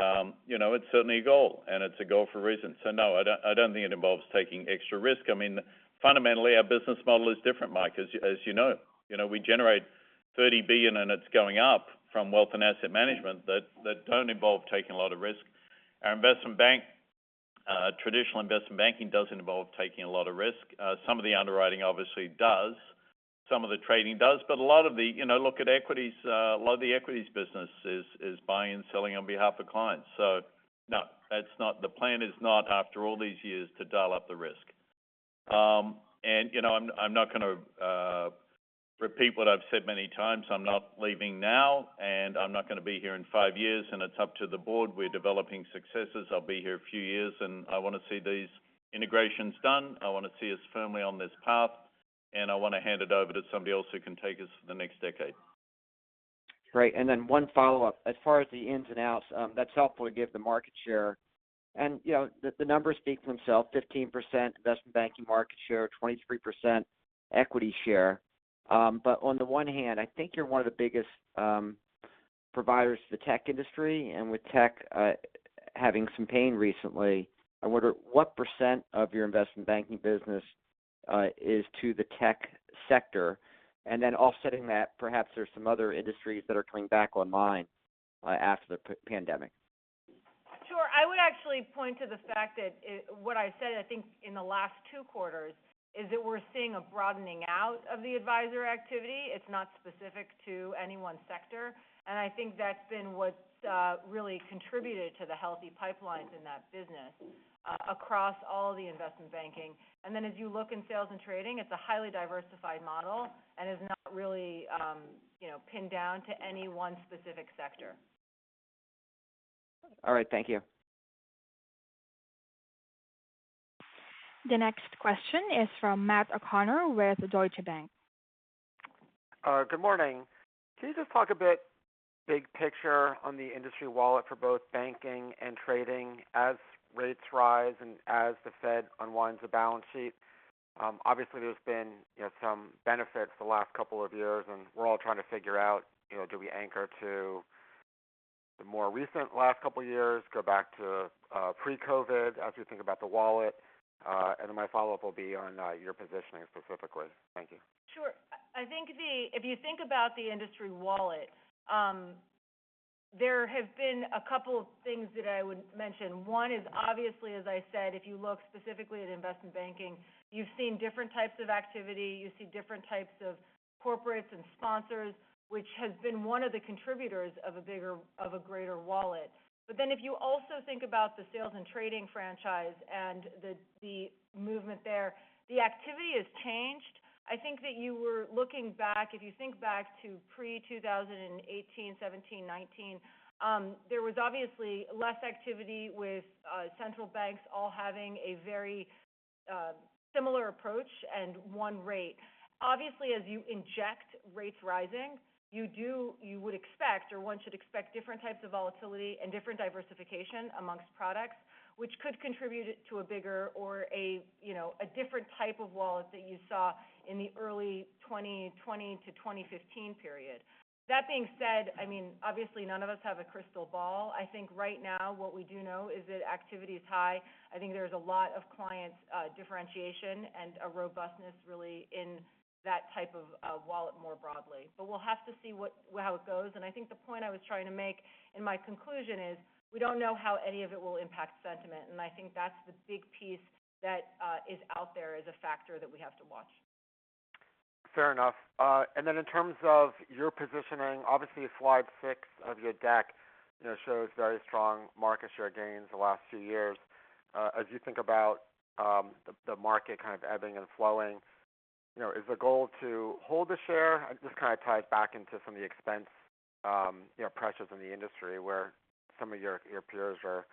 you know, it's certainly a goal, and it's a goal for a reason. No, I don't think it involves taking extra risk. I mean, fundamentally, our business model is different, Mike, as you know. You know, we generate $30 billion and it's going up from wealth and asset management that don't involve taking a lot of risk. Our investment bank, traditional investment banking doesn't involve taking a lot of risk. Some of the underwriting obviously does. Some of the trading does. But a lot of the, you know, look at equities. A lot of the equities business is buying and selling on behalf of clients. So no, that's not the plan is not, after all these years, to dial up the risk. You know, I'm not gonna repeat what I've said many times. I'm not leaving now, and I'm not gonna be here in five years, and it's up to the board. We're developing successors. I'll be here a few years, and I wanna see these integrations done. I wanna see us firmly on this path, and I wanna hand it over to somebody else who can take us the next decade. Great. Then one follow-up. As far as the ins and outs, that's helpful to give the market share. You know, the numbers speak for themselves, 15% investment banking market share, 23% equity share. On the one hand, I think you're one of the biggest providers to the tech industry, and with tech having some pain recently, I wonder what percent of your investment banking business is to the tech sector. Offseting that, perhaps there's some other industries that are coming back online after the pandemic. Sure. I would actually point to the fact that what I said, I think, in the last two quarters is that we're seeing a broadening out of the advisor activity. It's not specific to any one sector. I think that's been what's really contributed to the healthy pipelines in that business across all the investment banking. As you look in sales and trading, it's a highly diversified model and is not really pinned down to any one specific sector. All right. Thank you. The next question is from Matt O'Connor with Deutsche Bank. Good morning. Can you just talk a bit big picture on the industry wallet for both banking and trading as rates rise and as the Fed unwinds the balance sheet? Obviously there's been, you know, some benefits the last couple of years, and we're all trying to figure out, you know, do we anchor to the more recent last couple of years, go back to pre-COVID as we think about the wallet. My follow-up will be on your positioning specifically. Thank you. Sure. I think if you think about the industry wallet, there have been a couple of things that I would mention. One is obviously, if you look specifically at investment banking, you've seen different types of activity. You see different types of corporates and sponsors, which has been one of the contributors of a greater wallet. But then if you also think about the sales and trading franchise and the movement there, the activity has changed. I think that you were looking back. If you think back to pre-2018, 2017, 2019, there was obviously less activity with central banks all having a very similar approach and one rate. Obviously, as interest rates rising, you would expect or one should expect different types of volatility and different diversification among products, which could contribute to it a bigger or a, you know, a different type of wallet that you saw in the early 2020 to 2015 period. That being said, I mean, obviously none of us have a crystal ball. I think right now what we do know is that activity is high. I think there's a lot of client differentiation and a robustness really in that type of wallet more broadly. But we'll have to see what, how it goes. I think the point I was trying to make in my conclusion is we don't know how any of it will impact sentiment, and I think that's the big piece that is out there as a factor that we have to watch. Fair enough. In terms of your positioning, obviously slide six of your deck, you know, shows very strong market share gains the last few years. As you think about, the market kind of ebbing and flowing, you know, is the goal to hold the share? This kind of ties back into some of the expense, you know, pressures in the industry where some of your peers are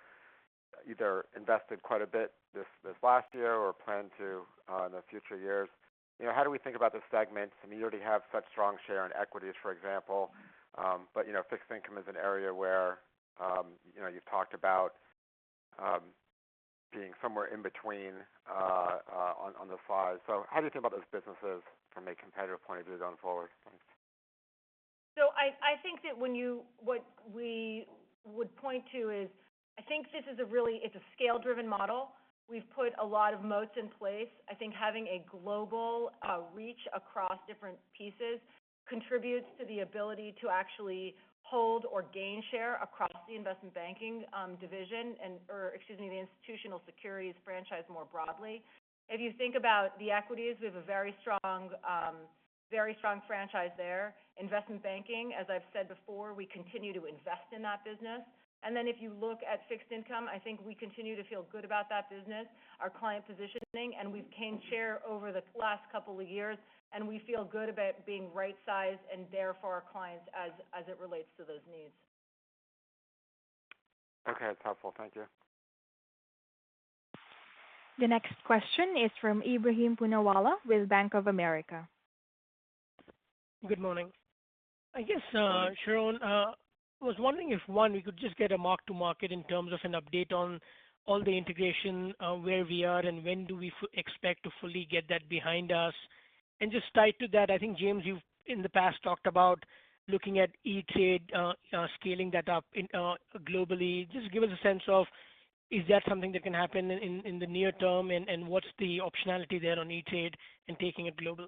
either invested quite a bit this last year or plan to, in the future years. You know, how do we think about the segments? I mean, you already have such strong share in equities, for example. You know, fixed income is an area where, you know, you've talked about, being somewhere in between, on the slides. How do you think about those businesses from a competitive point of view going forward? I think that what we would point to is I think this is a really, it's a scale-driven model. We've put a lot of moats in place. I think having a global reach across different pieces contributes to the ability to actually hold or gain share across the investment banking division or excuse me, the institutional securities franchise more broadly. If you think about the equities, we have a very strong franchise there. Investment banking, as I've said before, we continue to invest in that business. Then if you look at fixed income, I think we continue to feel good about that business, our client positioning, and we've gained share over the last couple of years, and we feel good about being right-sized and there for our clients as it relates to those needs. Okay, that's helpful. Thank you. The next question is from Ebrahim Poonawala with Bank of America. Good morning. I guess, Sharon, I was wondering if, one, we could just get a mark to market in terms of an update on all the integration, where we are and when do we expect to fully get that behind us. Just tied to that, I think, James, you've, in the past, talked about looking at E*TRADE, scaling that up internationally. Just give us a sense of is that something that can happen in the near term, and what's the optionality there on E*TRADE in taking it global?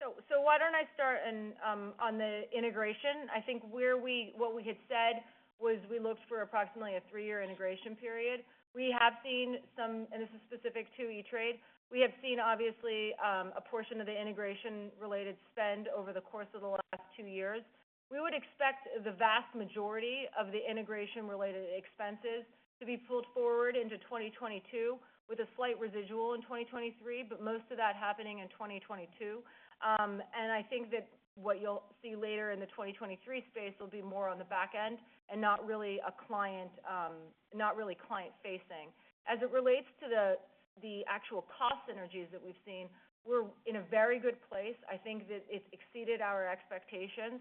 Why don't I start on the integration. I think what we had said was we looked for approximately a three-year integration period. We have seen some, and this is specific to E*TRADE, we have seen obviously a portion of the integration-related spend over the course of the last 2 years. We would expect the vast majority of the integration-related expenses to be pulled forward into 2022, with a slight residual in 2023, but most of that happening in 2022. I think that what you'll see later in the 2023 space will be more on the back end and not really client-facing. As it relates to the actual cost synergies that we've seen, we're in a very good place. I think that it's exceeded our expectations,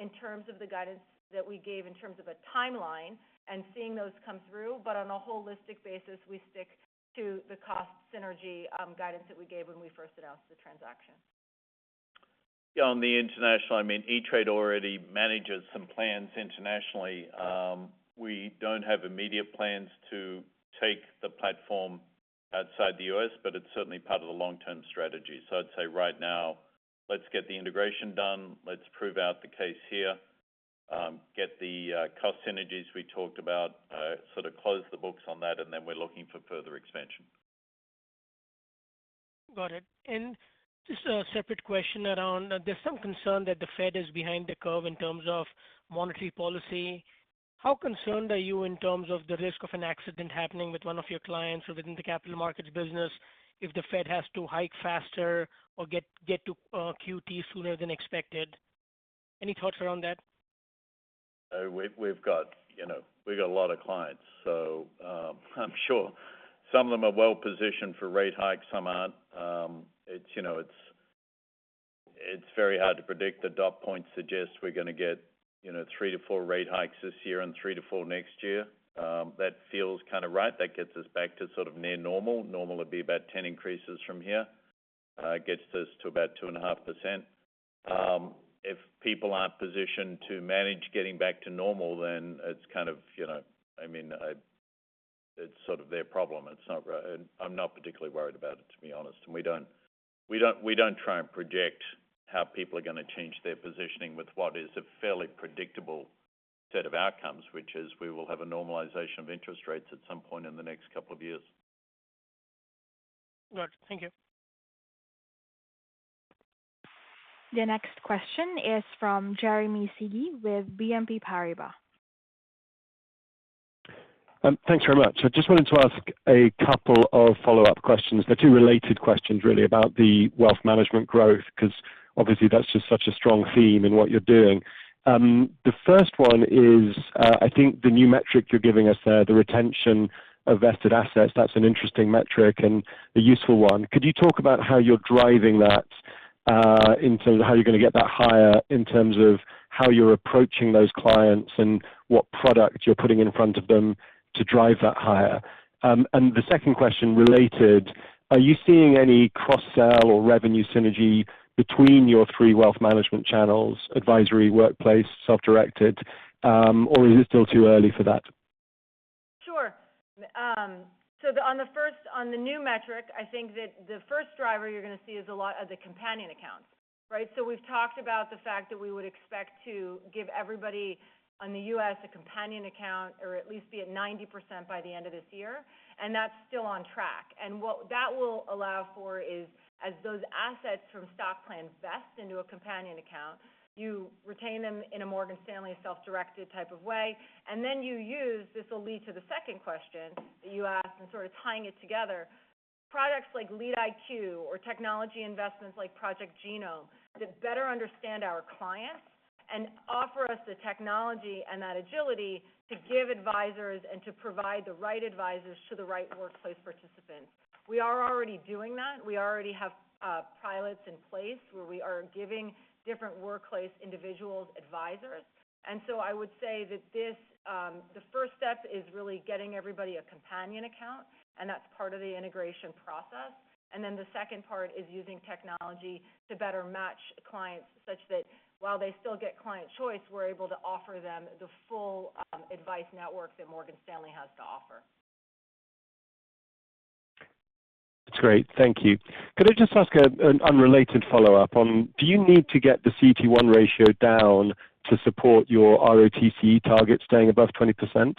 in terms of the guidance that we gave in terms of a timeline and seeing those come through. But on a holistic basis, we stick to the cost synergy, guidance that we gave when we first announced the transaction. Yeah, on the international, I mean, E*TRADE already manages some plans internationally. We don't have immediate plans to take the platform outside the U.S., but it's certainly part of the long-term strategy. I'd say right now let's get the integration done. Let's prove out the case here. Get the cost synergies we talked about, sort of close the books on that, and then we're looking for further expansion. Got it. Just a separate question around there's some concern that the Fed is behind the curve in terms of monetary policy. How concerned are you in terms of the risk of an accident happening with one of your clients within the capital markets business if the Fed has to hike faster or get to QT sooner than expected? Any thoughts around that? We've got, you know, a lot of clients. I'm sure some of them are well positioned for rate hikes, some aren't. It's, you know, very hard to predict. The dot plot suggests we're gonna get, you know, three-four rate hikes this year and three-four next year. That feels kind of right. That gets us back to sort of near normal. Normal would be about ten increases from here. It gets us to about 2.5%. If people aren't positioned to manage getting back to normal, then it's kind of, you know, it's sort of their problem. It's not. I'm not particularly worried about it, to be honest. We don't try and project how people are gonna change their positioning with what is a fairly predictable set of outcomes, which is we will have a normalization of interest rates at some point in the next couple of years. Got it. Thank you. The next question is from Jeremy Sigee with BNP Paribas. Thanks very much. I just wanted to ask a couple of follow-up questions. They're two related questions really about the wealth management growth, 'cause obviously that's just such a strong theme in what you're doing. The first one is, I think the new metric you're giving us there, the retention of vested assets, that's an interesting metric and a useful one. Could you talk about how you're driving that, in terms of how you're gonna get that higher, in terms of how you're approaching those clients and what product you're putting in front of them to drive that higher? And the second question related, are you seeing any cross-sell or revenue synergy between your three wealth management channels, advisory, workplace, self-directed, or is it still too early for that? Sure. On the new metric, I think that the first driver you're gonna see is a lot of the companion accounts, right? We've talked about the fact that we would expect to give everybody in the U.S. a companion account or at least be at 90% by the end of this year, and that's still on track. What that will allow for is as those assets from stock plan vest into a companion account, you retain them in a Morgan Stanley self-directed type of way, and then you use, this will lead to the second question that you asked and sort of tying it together, products like Lead IQ or technology investments like Project Genome that better understand our clients and offer us the technology and that agility to give advisors and to provide the right advisors to the right workplace participants. We are already doing that. We already have pilots in place where we are giving different workplace advisors. I would say that this, the first step is really getting everybody a companion account, and that's part of the integration process. The second part is using technology to better match clients such that while they still get client choice, we're able to offer them the full advice network that Morgan Stanley has to offer. That's great. Thank you. Could I just ask an unrelated follow-up on do you need to get the CET1 ratio down to support your ROTCE target staying above 20%?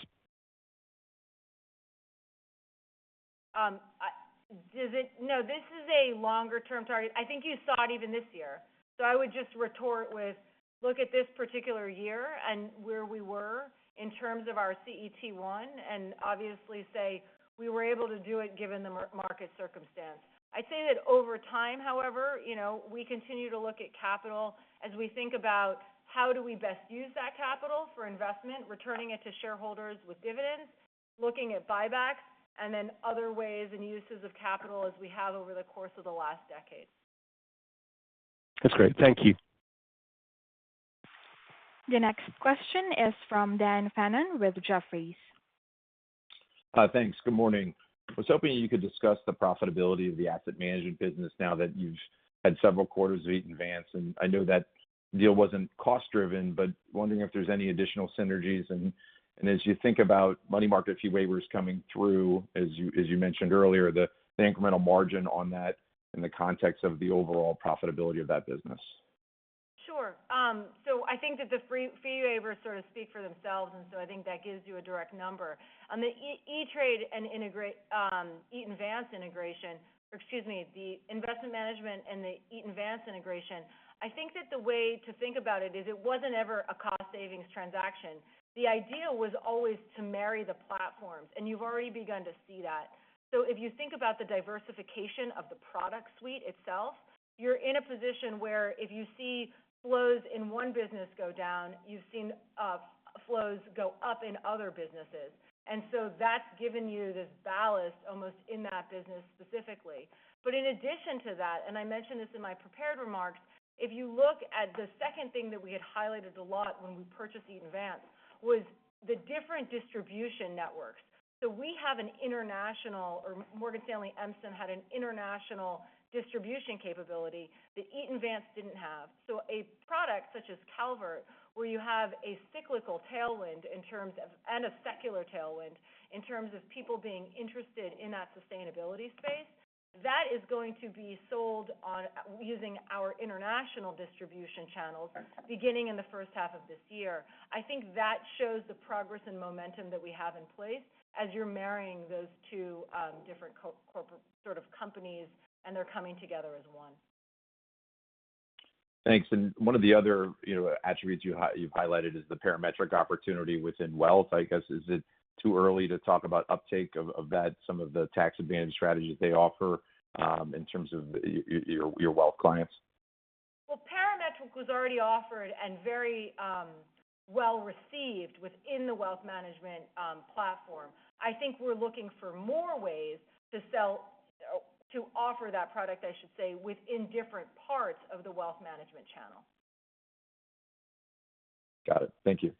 No, this is a longer-term target. I think you saw it even this year. I would just retort with, look at this particular year and where we were in terms of our CET1, and obviously say we were able to do it given the market circumstance. I'd say that over time, however, you know, we continue to look at capital as we think about how do we best use that capital for investment, returning it to shareholders with dividends, looking at buybacks, and then other ways and uses of capital as we have over the course of the last decade. That's great. Thank you. The next question is from Dan Fannon with Jefferies. Thanks. Good morning. I was hoping you could discuss the profitability of the asset management business now that you've had several quarters of Eaton Vance. I know that deal wasn't cost-driven, but wondering if there's any additional synergies. As you think about money market fee waivers coming through, as you mentioned earlier, the incremental margin on that in the context of the overall profitability of that business. Sure. I think that the free fee waivers sort of speak for themselves, and so I think that gives you a direct number. On the E*TRADE and the investment management and the Eaton Vance integration, I think that the way to think about it is it wasn't ever a cost savings transaction. The idea was always to marry the platforms, and you've already begun to see that. If you think about the diversification of the product suite itself, you're in a position where if you see flows in one business go down, you've seen flows go up in other businesses. That's given you this ballast almost in that business specifically. In addition to that, and I mentioned this in my prepared remarks, if you look at the second thing that we had highlighted a lot when we purchased Eaton Vance was the different distribution networks. We have an international, or Morgan Stanley IM had an international distribution capability that Eaton Vance didn't have. A product such as Calvert, where you have a cyclical tailwind in terms of, and a secular tailwind, in terms of people being interested in that sustainability space, that is going to be sold using our international distribution channels beginning in the first half of this year. I think that shows the progress and momentum that we have in place as you're marrying those two, different corporate sort of companies, and they're coming together as one. Thanks. One of the other, you know, attributes you've highlighted is the Parametric opportunity within Wealth. I guess, is it too early to talk about uptake of that, some of the tax-advantaged strategies they offer, in terms of your Wealth clients? Well, Parametric was already offered and very well-received within the Wealth Management platform. I think we're looking for more ways to offer that product, I should say, within different parts of the Wealth Management channel. Got it. Thank you.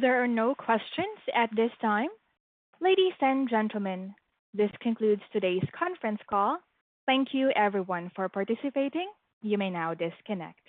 There are no questions at this time. Ladies and gentlemen, this concludes today's conference call. Thank you everyone for participating. You may now disconnect.